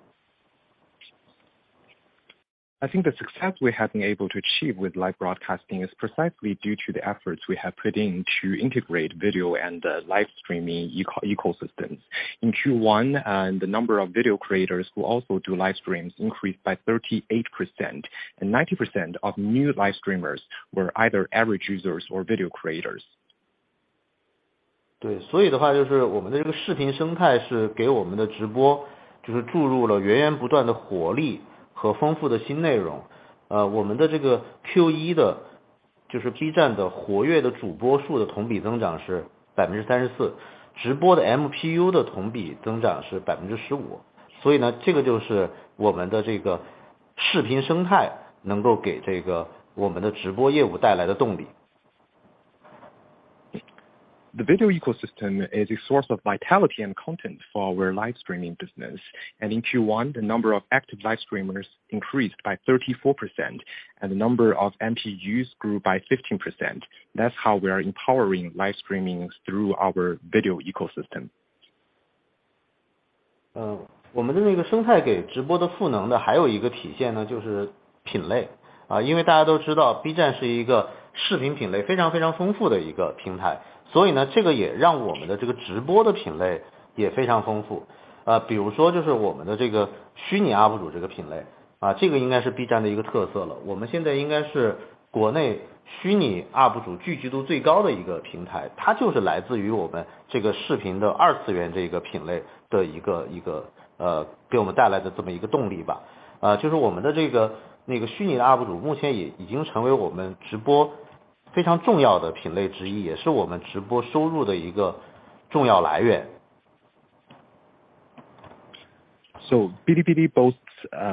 I think the success we have been able to achieve with live broadcasting is precisely due to the efforts we have put in to integrate video and the live streaming ecosystem. In Q1, the number of video creators who also do live streams increased by 38%, and 90% of new live streamers were either average users or video creators. 对， 所以的 话， 就是我们的这个视频生态是给我们的直播就是注入了源源不断的活力和丰富的新内容。呃， 我们的这个 Q1 的就是 B 站的活跃的主播数的同比增长是百分之三十 四， 直播的 MPU 的同比增长是百分之十五。所以 呢， 这个就是我们的这个视频生态能够给这个我们的直播业务带来的动力。The video ecosystem is a source of vitality and content for our live streaming business, and in Q1, the number of active live streamers increased by 34%, and the number of MPUs grew by 15%. That's how we are empowering live streaming through our video ecosystem. 我们的那个生态给直播的赋能 呢， 还有一个体现 呢， 就是品类。因为大家都知道 ，B站 是一个视频品类非常非常丰富的一个平台，所以 呢， 这个也让我们的这个直播的品类也非常丰富。比如说就是我们的这个虚拟 UP主 这个品 类， 这个应该是 B站 的一个特色 了， 我们现在应该是国内虚拟 UP主 聚集度最高的一个平 台， 它就是来自于我们这个视频的二次元这个品类的一 个， 一个给我们带来的这么一个动力吧。就是我们的这个那个虚拟的 UP主， 目前也已经成为我们直播非常重要的品类之 一， 也是我们直播收入的一个重要来源。Bilibili boasts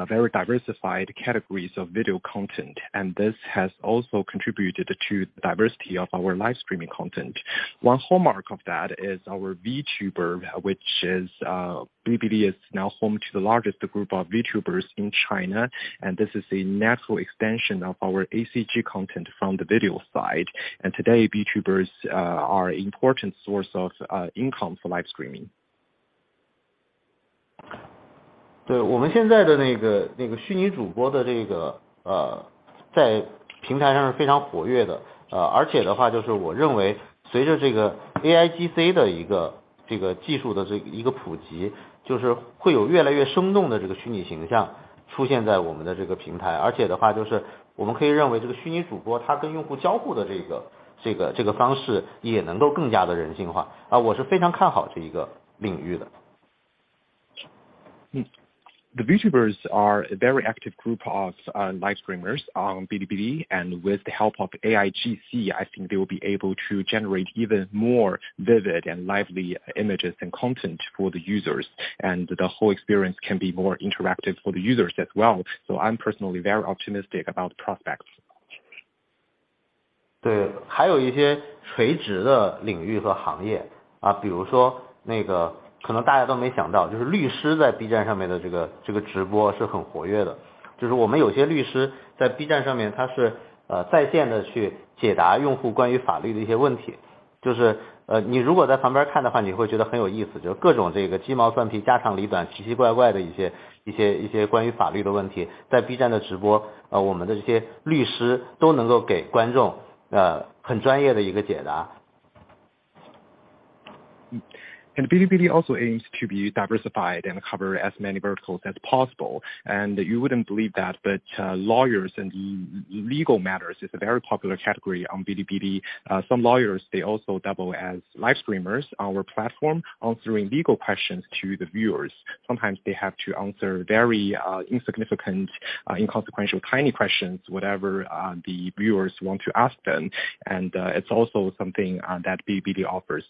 very diversified categories of video content, and this has also contributed to the diversity of our live streaming content. One hallmark of that is our VTuber, which is Bilibili is now home to the largest group of VTubers in China, and this is a natural extension of our ACG content from the video side. Today, VTubers are important source of income for live streaming. 对， 我们现在的那 个， 那个虚拟主播的这 个， 呃， 在平台上是非常活跃的。呃， 而且的话就是我认为随着这个 AIGC 的一个这个技术的这个一个普 及， 就是会有越来越生动的这个虚拟形象出现在我们的这个平台。而且的话就是我们可以认为这个虚拟主播他跟用户交互的这 个， 这 个， 这个方式也能够更加的人性 化， 啊我是非常看好这一个领域的。The VTubers are a very active group of live streamers on Bilibili, and with the help of AIGC, I think they will be able to generate even more vivid and lively images and content for the users, and the whole experience can be more interactive for the users as well. I'm personally very optimistic about the prospects. 对， 还有一些垂直的领域和行 业， 比如说那个可能大家都没想 到， 就是律师在 B 站上面的这个直播是很活跃 的， 就是我们有些律师在 B 站上 面， 他是在线地去解答用户关于法律的一些问题。就是你如果在旁边看的 话， 你会觉得很有意 思， 就是各种这个鸡毛蒜 皮， 家长里 短， 奇奇怪怪的一些关于法律的问 题， 在 B 站的直 播， 我们的这些律师都能够给观众很专业的一个解答。Bilibili also aims to be diversified and cover as many verticals as possible. You wouldn't believe that, but lawyers and legal matters is a very popular category on Bilibili. Some lawyers, they also double as live streamers on our platform, answering legal questions to the viewers. Sometimes they have to answer very insignificant, inconsequential, tiny questions, whatever the viewers want to ask them. It's also something that Bilibili offers.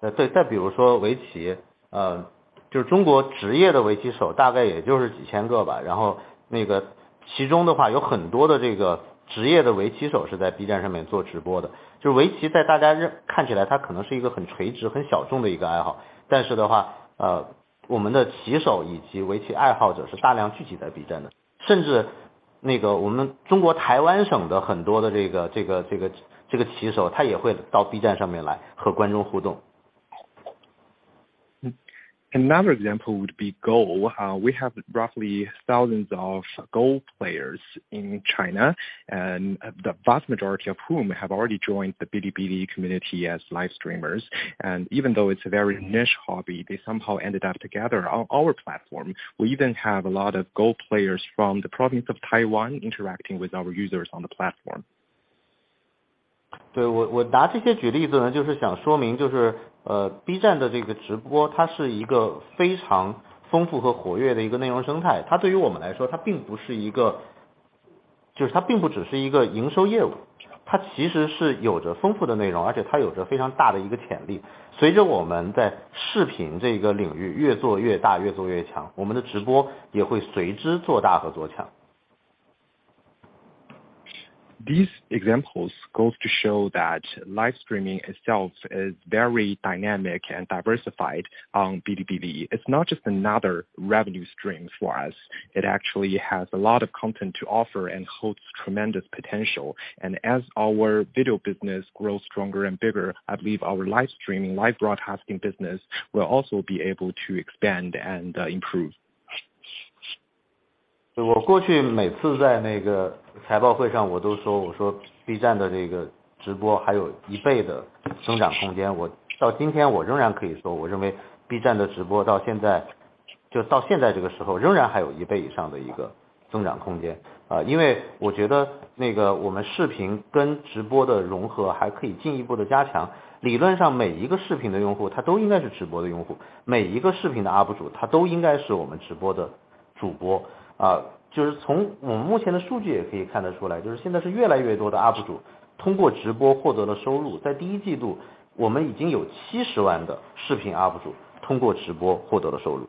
呃， 对， 再比如说围 棋， 呃， 就是中国职业的围棋手大概也就是几千个 吧， 然后那个其中的 话， 有很多的这个职业的围棋手是在 B 站上面做直播 的， 就是围棋在大家认看起 来， 它可能是一个很垂直很小众的一个爱 好， 但是的 话， 呃， 我们的棋手以及围棋爱好者是大量聚集在 B 站 的， 甚至那个我们中国台湾省的很多的这 个， 这 个， 这 个， 这个棋 手， 他也会到 B 站上面来和观众互动。Another example would be Go. We have roughly thousands of Go players in China, the vast majority of whom have already joined the Bilibili community as live streamers. Even though it's a very niche hobby, they somehow ended up together on our platform. We even have a lot of Go players from the province of Taiwan interacting with our users on the platform. 我拿这些举例子 呢， 就是想说 明， B 站的这个直 播， 它是一个非常丰富和活跃的一个内容生 态， 它对于我们来 说， 就是它并不只是一个营收业 务， 它其实是有着丰富的内 容， 而且它有着非常大的一个潜力。随着我们在视频这个领域越做越 大， 越做越 强， 我们的直播也会随之做大和做强。These examples goes to show that live streaming itself is very dynamic and diversified on Bilibili. It's not just another revenue stream for us, it actually has a lot of content to offer and holds tremendous potential. As our video business grows stronger and bigger, I believe our live streaming, live broadcasting business will also be able to expand and improve. 我过去每次在那个财报 会上， 我 都说， 我说 B 站的这个直播还有 1x 的增长空间。我到今天我仍然可以 说， 我认为 B 站的直播到 现在， 就到现在这个 时候， 仍然还有 1x 以上的一个增长空间。因为我觉得那个我们视频跟直播的融合还可以进一步的 加强， 理论上每一个视频的 用户， 他都应该是直播的 用户， 每一个视频的 UP 主， 他都应该是我们直播的主播。就是从我们目前的数据也可以 看得出来， 就是现在是越来越多的 UP 主通过直播获得了收入。在 Q1， 我们已经有 700,000 的视频 UP 主通过直播获得了收入。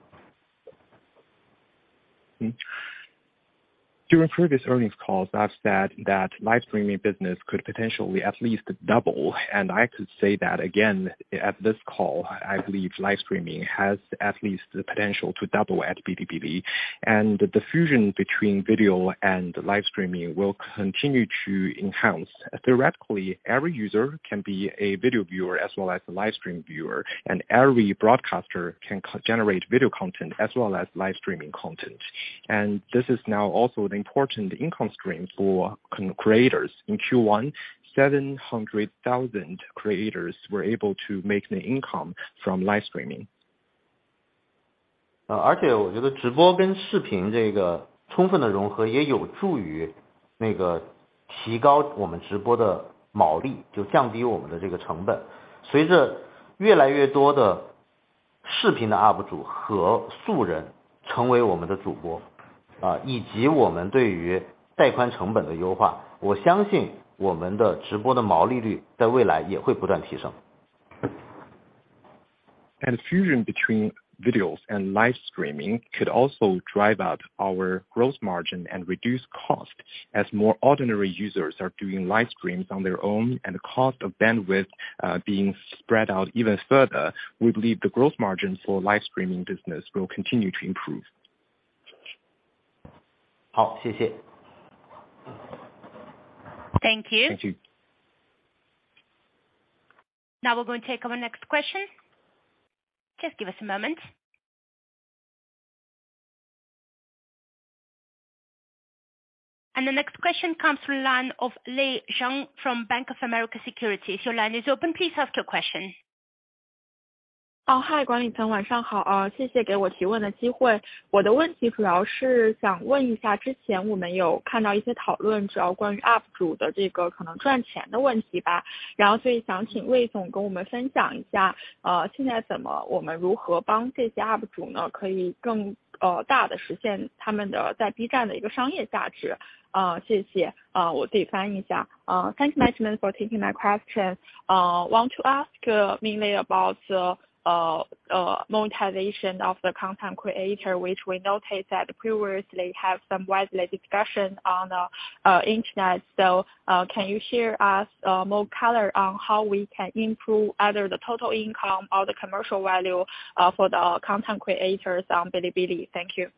During previous earnings calls, I've said that live streaming business could potentially at least double, and I could say that again at this call. I believe live streaming has at least the potential to double at Bilibili, and the diffusion between video and live streaming will continue to enhance. Theoretically, every user can be a video viewer as well as a live stream viewer, and every broadcaster can generate video content as well as live streaming content. This is now also an important income stream for creators. In Q1, 700,000 creators were able to make their income from live streaming. 呃， 而且我觉得直播跟视频这个充分的融 合， 也有助于那个提高我们直播的毛 利， 就降低我们的这个成本。随着越来越多的视频的 UP 主和素人成为我们的主 播， 啊， 以及我们对于带宽成本的优 化， 我相信我们的直播的毛利率在未来也会不断提升。Fusion between videos and live streaming could also drive up our growth margin and reduce costs. As more ordinary users are doing live streams on their own and the cost of bandwidth being spread out even further, we believe the growth margin for live streaming business will continue to improve. 好, 谢谢. Thank you. Thank you. Now we're going to take our next question. Just give us a moment. The next question comes through the line of Lei Zhang from Bank of America Securities. Your line is open. Please ask your question. 哦， 嗨， 管理层晚上 好， 呃， 谢谢给我提问的机会。我的问题主要是想问一 下， 之前我们有看到一些讨 论， 知道关于 UP 主的这个可能赚钱的问题 吧， 然后所以想请魏总跟我们分享一 下， 呃， 现在怎么我们如何帮这些 UP 主 呢， 可以 更， 呃， 大地实现他们的在 B 站的一个商业价值。啊， 谢谢。啊， 我再翻译一 下， 呃... Thanks management for taking my question. Want to ask mainly about the monetization of the content creator, which we noticed that previously have some widely discussion on the internet. Can you share us more color on how we can improve either the total income or the commercial value for the content creators on Bilibili? Thank you.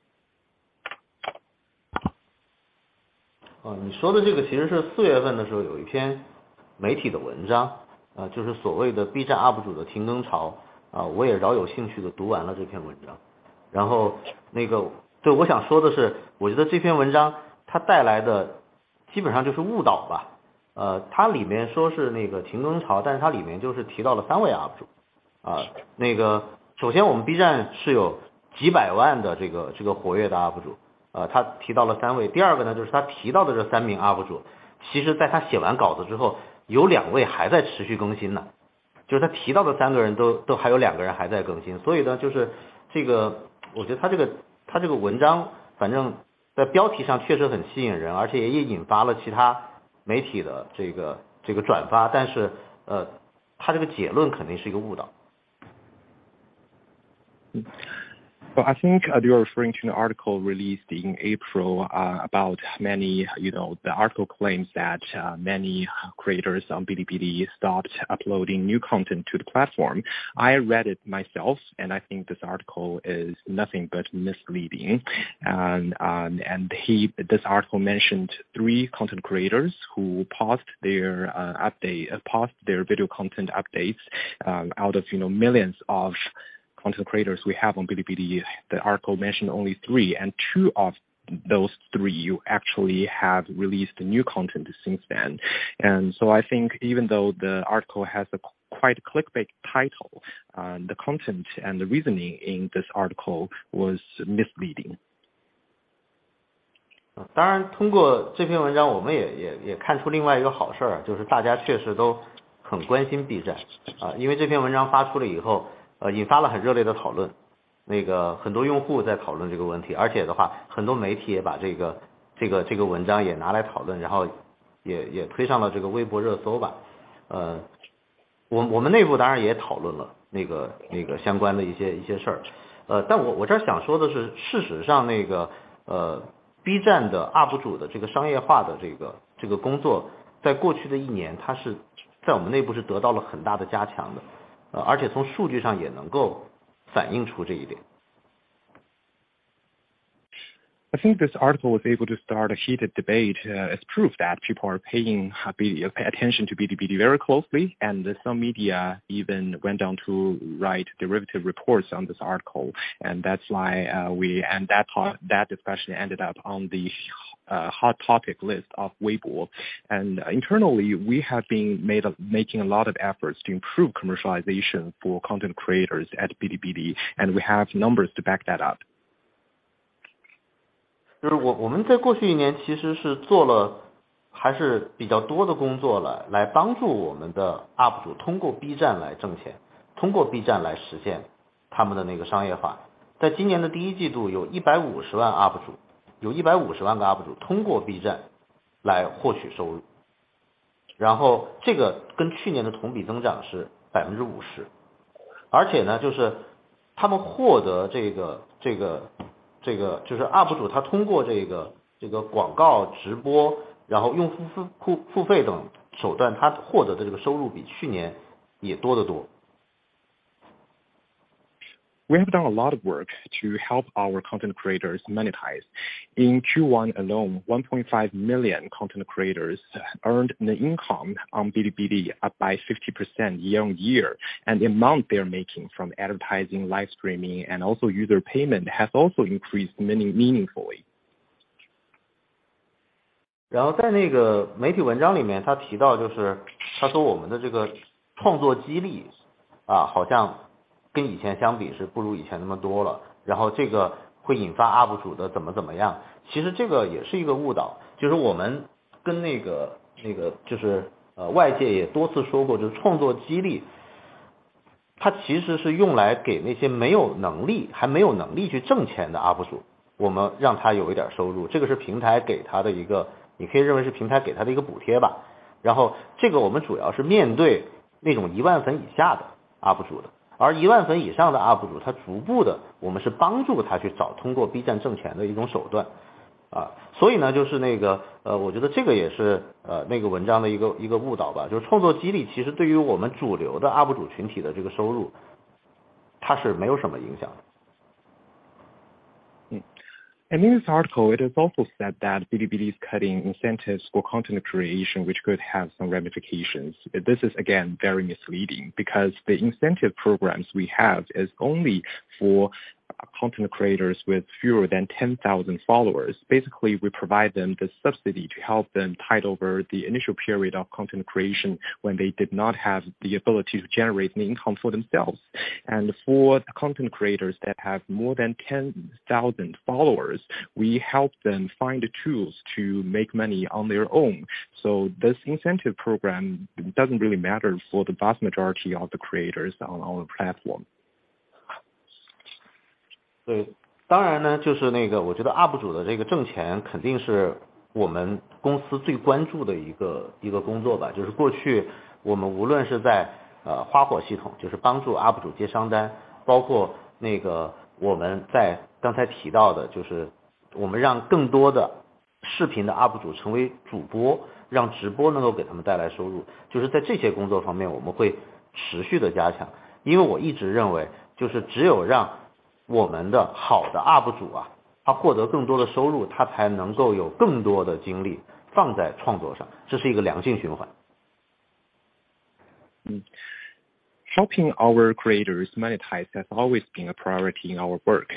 你说的这个其实是 April 的时候有一篇媒体的文 章， 就是所谓的 B站 UP主 的停更 潮， 我也饶有兴趣地读完了这篇文章。我想说的 是， 我觉得这篇文章它带来的基本上就是误导吧。它里面说是那个停更 潮， 但是它里面就是提到了3 UP主。首先我们 B站 是有 millions 的这个活跃的 UP主， 他提到了 3。第二个 呢， 就是他提到的这3 UP主， 其实在他写完稿子之 后， 有2还在持续更新呢，就是他提到的3 people 都还有2 people 还在更新。我觉得他这个文章反正在标题上确实很吸引 人， 而且也引发了其他媒体的这个转 发， 但是他这个结论肯定是一个误导。Well, I think you're referring to an article released in April, about many. You know, the article claims that many creators on Bilibili stopped uploading new content to the platform. I read it myself, and I think this article is nothing but misleading. This article mentioned three content creators who paused their video content updates. Out of, you know, millions of content creators we have on Bilibili, the article mentioned only three, and two of those three you actually have released new content since then. I think even though the article has a quite clickbait title, the content and the reasoning in this article was misleading. 当 然， 通过这篇文 章， 我们也看出另外一个好事 儿， 就是大家确实都很关心 B站. 这篇文章发出了以 后， 引发了很热烈的讨 论， 那个很多用户在讨论这个问 题， 而且的 话， 很多媒体也把这个文章也拿来讨 论， 然后也推上了这个微博热搜 吧. 我们内部当然也讨论了那个相关的一些事 儿. 我这想说的 是， 事实上那个 B站 的 UP主 的这个商业化的这个工 作， 在过去的一 年， 它是在我们内部是得到了很大的加强的，而且从数据上也能够反映出这一 点. I think this article was able to start a heated debate, as proof that people are paying attention to Bilibili very closely, and some media even went on to write derivative reports on this article. That's why, that part especially ended up on the hot topic list of Weibo. Internally, we have been making a lot of efforts to improve commercialization for content creators at Bilibili, and we have numbers to back that up. 就是 我， 我们在过去一年其实是做了还是比较多的工作 了， 来帮助我们的 UP 主通过 B 站来挣 钱， 通过 B 站来实现他们的那个商业化。在今年的 Q1， 有 1.5 million 个 UP 主通过 B 站来获取收入。这个跟去年的同比增长是 50%。就是他们获得这个 UP 主， 他通过这个广告直 播， 用户付费等手 段， 他获得的这个收入比去年也多得多。We have done a lot of work to help our content creators monetize. In Q1 alone, 1.5 million content creators earned an income on Bilibili, up by 50% year-on-year, and the amount they are making from advertising, live streaming, and also user payment has also increased meaningfully. 在那个媒体文章里 面， 他提到就是他说我们的这个创作激 励， 好像跟以前相比是不如以前那么多了。这个会引发 UP 主的怎么怎么样。其实这个也是一个误 导， 就是我们跟那 个， 那个就是外界也多次说 过， 就是创作激 励， 它其实是用来给那些没有能 力， 还没有能力去挣钱的 UP 主， 我们让他有一点收 入， 这个是平台给他的一 个， 你可以认为是平台给他的一个补贴吧。这个我们主要是面对那种 10,000 粉以下的 UP 主的，而 10,000 粉以上的 UP 主， 他逐步地我们是帮助他去找通过 B 站挣钱的一种手段。就是那 个， 我觉得这个也是那个文章的一个误导 吧， 就是创作激 励， 其实对于我们主流的 UP 主群体的这个收 入， 它是没有什么影响的。In this article, it is also said that Bilibili is cutting incentives for content creation, which could have some ramifications. This is again, very misleading, because the incentive programs we have is only for content creators with fewer than 10,000 followers. Basically, we provide them the subsidy to help them tide over the initial period of content creation when they did not have the ability to generate an income for themselves. For the content creators that have more than 10,000 followers, we help them find the tools to make money on their own. This incentive program doesn't really matter for the vast majority of the creators on our platform. 对， 当然 呢， 就是那个我觉得 UP 主的这个挣钱肯定是我们公司最关注的一 个， 一个工作 吧， 就是过去我们无论是在 呃， 花火系 统， 就是帮助 UP 主接商 单， 包括那个我们在刚才提到 的， 就是我们让更多的视频的 UP 主成为主 播， 让直播能够给他们带来收 入， 就是在这些工作方面我们会持续地加强。因为我一直认 为， 就是只有让我们的好的 UP 主 啊， 他获得更多的收 入， 他才能够有更多的精力放在创作 上， 这是一个良性循环。Helping our creators monetize has always been a priority in our work.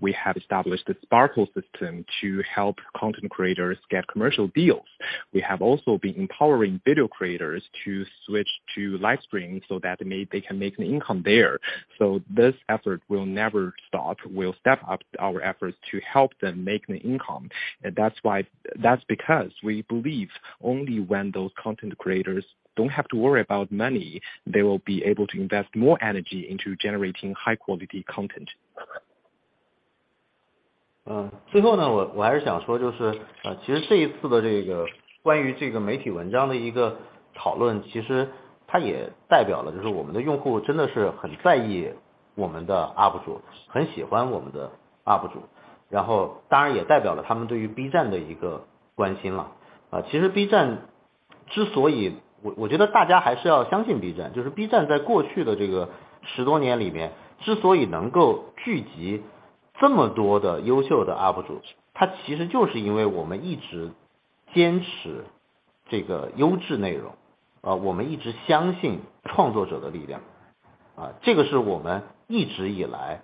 We have established the Sparkle system to help content creators get commercial deals. We have also been empowering video creators to switch to live streaming, so that may they can make an income there. This effort will never stop. We'll step up our efforts to help them make an income, and that's why, that's because we believe only when those content creators don't have to worry about money, they will be able to invest more energy into generating high quality content. 呃， 最后 呢， 我， 我还是想 说， 就是 呃， 其实这一次的这个关于这个媒体文章的一个讨 论， 其实它也代表了就是我们的用户真的是很在意我们的 UP 主， 很喜欢我们的 UP 主， 然后当然也代表了他们对于 B 站的一个关心了。啊， 其实 B 站之所以我-我觉得大家还是要相信 B 站， 就是 B 站在过去的这个十多年里 面， 之所以能够聚集这么多的优秀的 UP 主， 它其实就是因为我们一直坚持这个优质内 容， 啊我们一直相信创作者的力 量， 啊， 这个是我们一直以来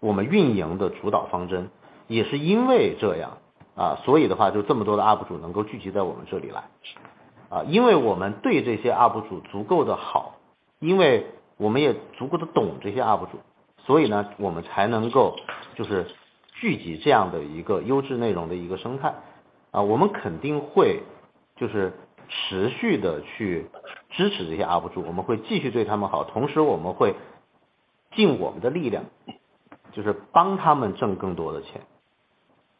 我们运营的主导方 针， 也是因为这 样， 啊， 所以的 话， 就这么多的 UP 主能够聚集在我们这里来。啊， 因为我们对这些 UP 主足够的 好， 因为我们也足够地懂这些 UP 主， 所以 呢， 我们才能够就是聚集这样的一个优质内容的一个生态。啊， 我们肯定会就是持续地去支持这些 UP 主， 我们会继续对他们 好， 同时我们会尽我们的力 量， 就是帮他们挣更多的 钱，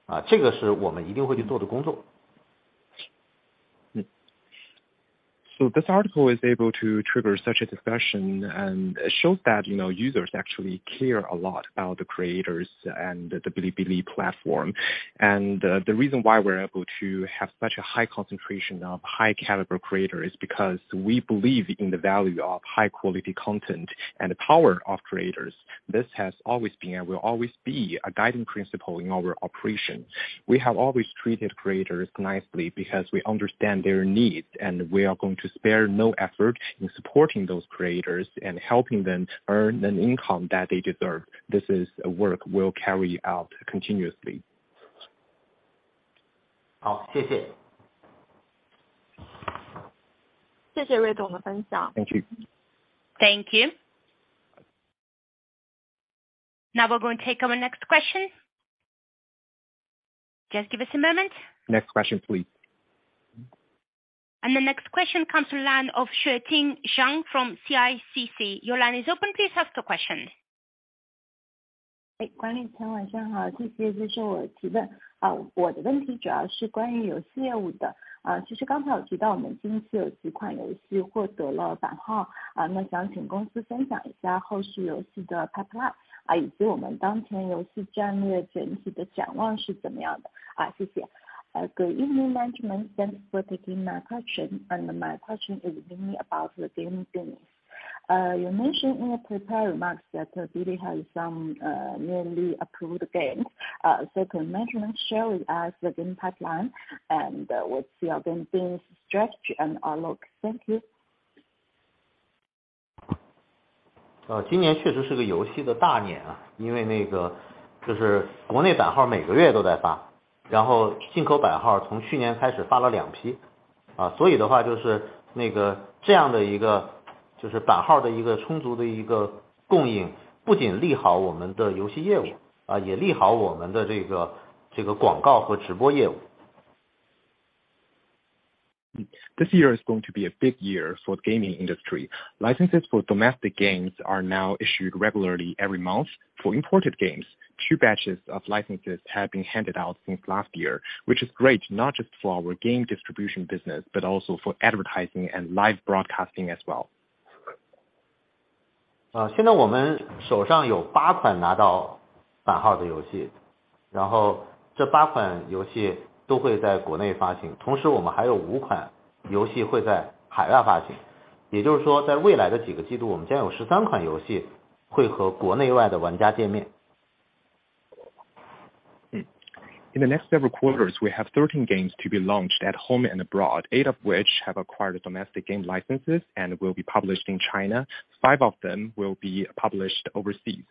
啊， 这个是我们一定会去做的工作。This article is able to trigger such a discussion, and it shows that, you know, users actually care a lot about the creators and the Bilibili platform. The reason why we're able to have such a high concentration of high caliber creators, is because we believe in the value of high quality content and the power of creators. This has always been, and will always be, a guiding principle in our operation. We have always treated creators nicely, because we understand their needs, and we are going to spare no effort in supporting those creators and helping them to earn an income that they deserve. This is a work we'll carry out continuously. 好， 谢谢。谢谢瑞总的分享。Thank you. Thank you. Now we're going to take our next question. Just give us a moment. Next question, please. The next question comes from the line of Xueqing Zhang from CICC. Your line is open, please ask a question.管理层晚上好，谢谢接受我的提问。我的问题主要是关于游戏业务的。其实刚才有提到我们近期有几款游戏获得了版号，那想请公司分享一下后续游戏的 pipeline，以及我们当前游戏战略整体的展望是怎么样的，谢谢。Good evening, management, thanks for taking my question. My question is mainly about the game business. You mentioned in your prepared remarks that Bilibili has some newly approved games. Can management share with us the game pipeline, and what's your game business strategy and outlook? Thank you. 呃， 今年确实是个游戏的大年 啊， 因为那个就是国内版号每个月都在 发， 然后进口版号从去年开始发了两批。啊， 所以的 话， 就是那个这样的一个就是版号的一个充足的一个供 应， 不仅利好我们的游戏业 务， 啊， 也利好我们的这 个， 这个广告和直播业务。This year is going to be a big year for the gaming industry. Licenses for domestic games are now issued regularly every month. For imported games, two batches of licenses have been handed out since last year, which is great not just for our game distribution business, but also for advertising and live broadcasting as well. 啊， 现在我们手上有八款拿到版号的游 戏， 然后这八款游戏都会在国内发 行， 同时我们还有五款游戏会在海外发行。也就是 说， 在未来的几个季 度， 我们将有十三款游戏会和国内外的玩家见面。In the next several quarters, we have 13 games to be launched at home and abroad, 8 of which have acquired domestic game licenses and will be published in China. Five of them will be published overseas.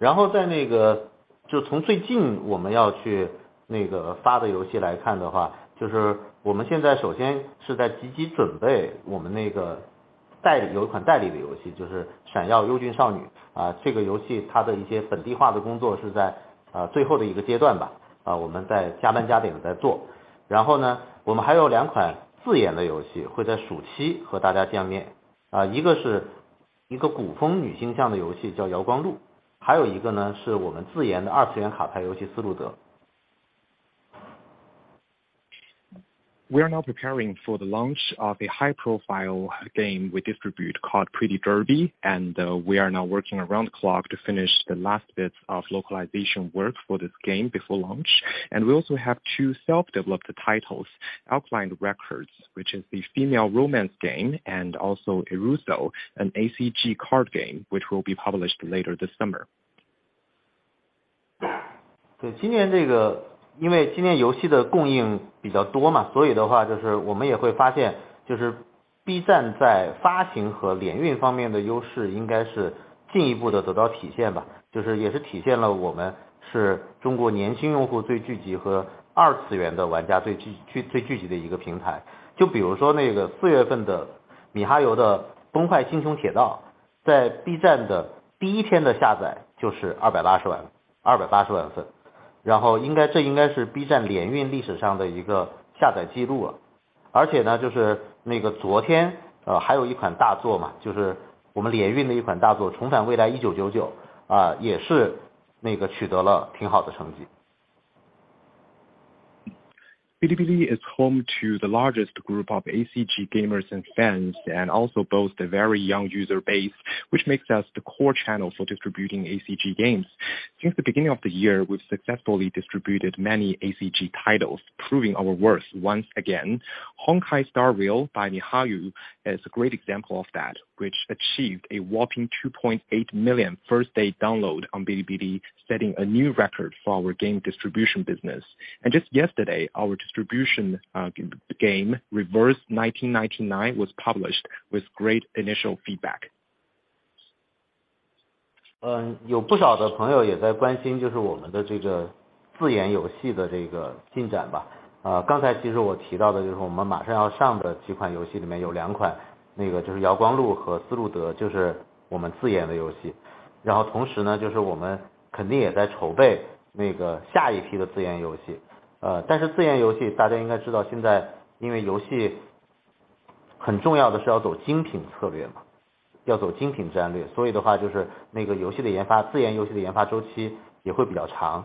就在那 个， 就从最近我们要去那个发的游戏来看的 话， 就是我们现在首先是在积极准备我们那个代 理， 有一款代理的游 戏， 就是 闪耀！优俊少女， 这个游戏它的一些本地化的工作是在最后的一个阶段 吧， 我们在加班加点的在做。我们还有两款自研的游戏会在暑期和大家见 面， 一个是一个古风女性向的游 戏， 叫遥光录，还有一个 呢， 是我们自研的二次元卡牌游戏依露希尔。We are now preparing for the launch of a high profile game we distribute called Pretty Derby, and we are now working around the clock to finish the last bits of localization work for this game before launch. We also have two self-developed titles, Alkaidland Records, which is the female romance game, and also Eruthyll, an ACG card game, which will be published later this summer. 对， 今年这 个， 因为今年游戏的供应比较多 嘛， 所以的话就是我们也会发 现， 就是 B 站在发行和联运方面的优势应该是进一步的得到体现 吧， 就是也是体现了我们是中国年轻用户最聚集和二次元的玩家最 聚， 最聚集的一个平台。就比如说那个四月份的米哈游的崩坏星穹铁 道， 在 B 站的第一天的下载就是二百八十 万， 二百八十万份，然后应 该， 这应该是 B 站联运历史上的一个下载纪录了。而且 呢， 就是那个昨 天， 呃， 还有一款大作 嘛， 就是我们联运的一款大 作， 重返未来一九九 九， 啊， 也是那个取得了挺好的成绩。Bilibili is home to the largest group of ACG gamers and fans, and also boasts a very young user base, which makes us the core channel for distributing ACG games. Since the beginning of the year, we've successfully distributed many ACG titles, proving our worth once again. Honkai: Star Rail by miHoYo is a great example of that, which achieved a whopping 2.8 million first day download on Bilibili, setting a new record for our game distribution business. Just yesterday, our distribution game Reverse: 1999 was published with great initial feedback. 有不少的朋友也在关 心， 就是我们的这个自研游戏的这个进展 吧. 刚才其实我提到的就是我们马上要上的几款游戏里面有2 款， 那个就是 Alkaidland Records 和丝路 德， 就是我们自研的游戏。同时 呢， 就是我们肯定也在筹备那个下一批的自研游 戏. 自研游戏大家应该知 道， 现在因为游戏很重要的是要走精品策略 嘛， 要走精品战略。就是那个游戏的研 发， 自研游戏的研发周期也会比较长。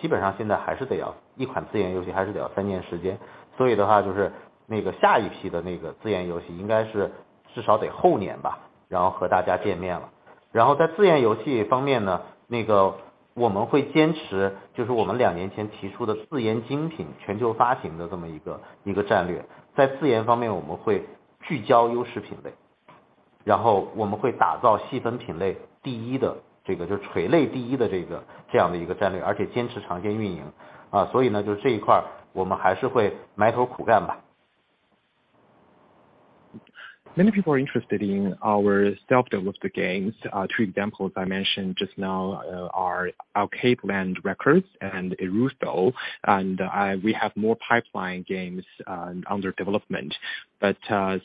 基本上现在还是得要1款自研游 戏， 还是得要3年时 间. 就是那个下一批的那个自研游 戏， 应该是至少得后年 吧， 和大家见面 了. 在自研游戏方面 呢， 那个我们会坚 持， 就是我们2年前提出的自研精品全球发行的这么1 个， 1个战 略. 在自研方 面， 我们会聚焦优势品类。我们会打造细分品类第1 的， 这个就是垂类第1的这个这样的1个战 略， 而且坚持长线运 营. 就是这1块我们还是会埋头苦干 吧. Many people are interested in our self-developed games. Two examples I mentioned just now, are Alkaidland Records and Eruthyll, we have more pipeline games under development.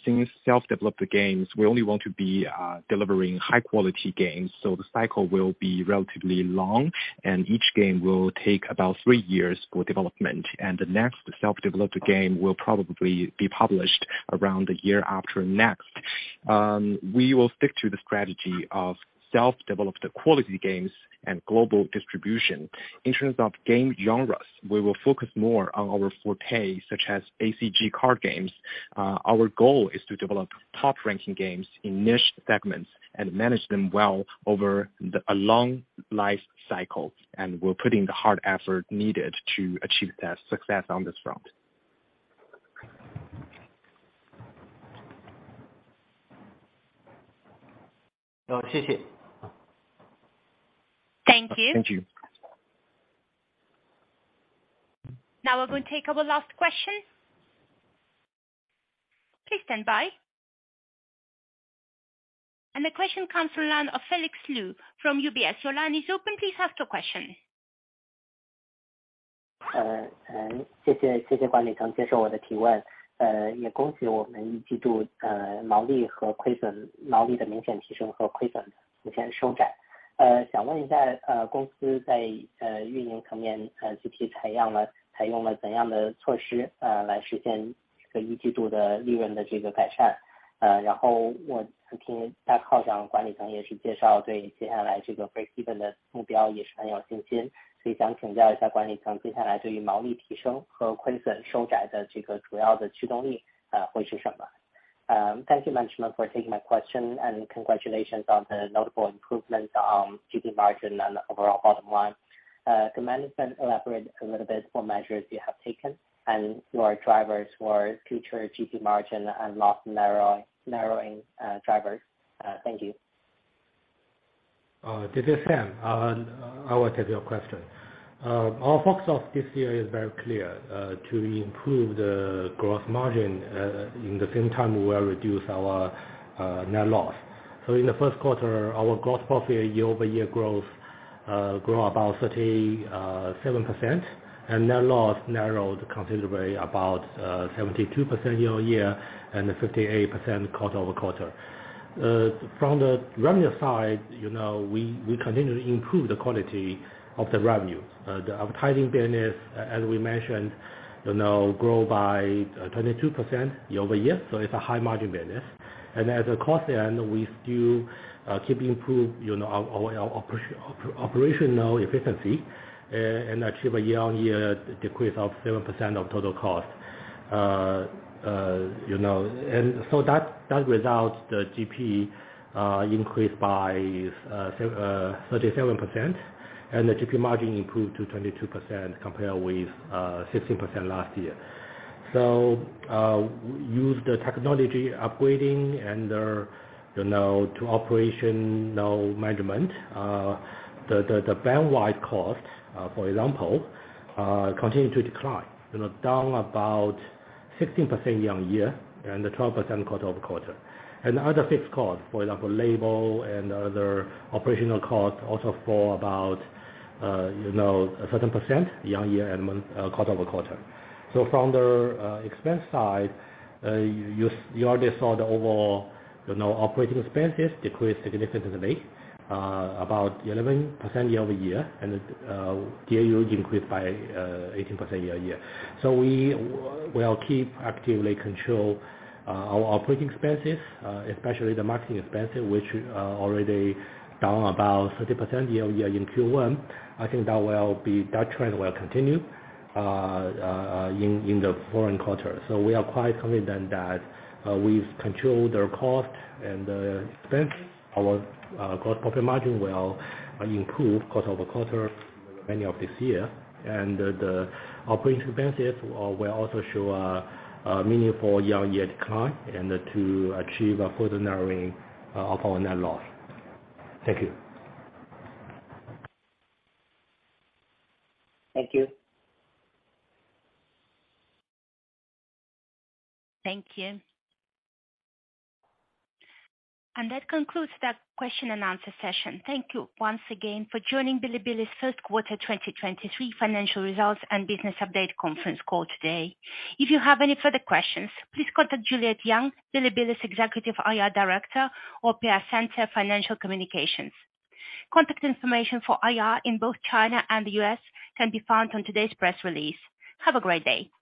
Since self-developed games, we only want to be delivering high quality games, so the cycle will be relatively long, and each game will take about three years for development, and the next self-developed game will probably be published around the year after next. We will stick to the strategy of self-developed quality games and global distribution. In terms of game genres, we will focus more on our forte, such as ACG card games. Our goal is to develop top-ranking games in niche segments and manage them well over a long life cycle, and we're putting the hard effort needed to achieve that success on this front. Oh, xie xie. Thank you. Thank you. Now we're going to take our last question. Please stand by. The question comes the line of Felix Liu from UBS. Your line is open. Please ask your question. Thank you, management, for taking my question. You continue, 语, 亏 损, 毛利的明显提升和亏损明显收 窄. 想问一 下, 公司在运营层 面, 具体采用了怎样的措 施, 来实现这个一季度的利润的这个改 善? 然后我听大靠 讲, 管理层也是介 绍, 对接下来这个 break-even 的目标也是很有信心。所以想请教一下管理 层, 接下来对于毛利提升和亏损收窄的这个主要的驱动 力, 会是什 么? Thank you, management, for taking my question, and congratulations on the notable improvements on GP margin and overall bottom line. Can management elaborate a little bit what measures you have taken and your drivers for future GP margin and loss narrowing drivers? Thank you. This is Xin. I will take your question. Our focus of this year is very clear, to improve the gross margin, at the same time, we will reduce our net loss. In the first quarter, our gross profit year-over-year growth grew about 37%, and net loss narrowed considerably, about 72% year-over-year and 58% quarter-over-quarter. From the revenue side, you know, we continue to improve the quality of the revenue. The advertising business, as we mentioned, you know, grow by 22% year-over-year, so it's a high-margin business. At the cost end, we still keep improve, you know, our operational efficiency, and achieve a year-over-year decrease of 7% of total cost. You know, that results the GP increased by 37%, and the GP margin improved to 22% compared with 16% last year. Use the technology upgrading and the, you know, to operational management, the bandwidth cost, for example, continue to decline. You know, down about 16% year-on-year and 12% quarter-over-quarter. Other fixed costs, for example, labor and other operational costs, also for about, you know, a certain percent year-on-year and quarter-over-quarter. From the expense side, you already saw the overall, you know, operating expenses decreased significantly, about 11% year-over-year. DAU increased by 18% year-on-year. We will keep actively control our operating expenses, especially the marketing expenses, which already down about 30% year-on-year in Q1. I think that trend will continue in the following quarters. We are quite confident that we've controlled our cost and the expenses. Our gross profit margin will improve quarter over quarter many of this year, and the operating expenses will also show a meaningful year-on-year decline, and to achieve a further narrowing of our net loss. Thank you. Thank you. Thank you. That concludes the question-and-answer session. Thank you once again for joining Bilibili's Third Quarter 2023 Financial Results and Business Update Conference Call today. If you have any further questions, please contact Juliet Yang, Bilibili's Executive IR Director, or Piacente Financial Communications. Contact information for IR in both China and the U.S. can be found on today's press release. Have a great day!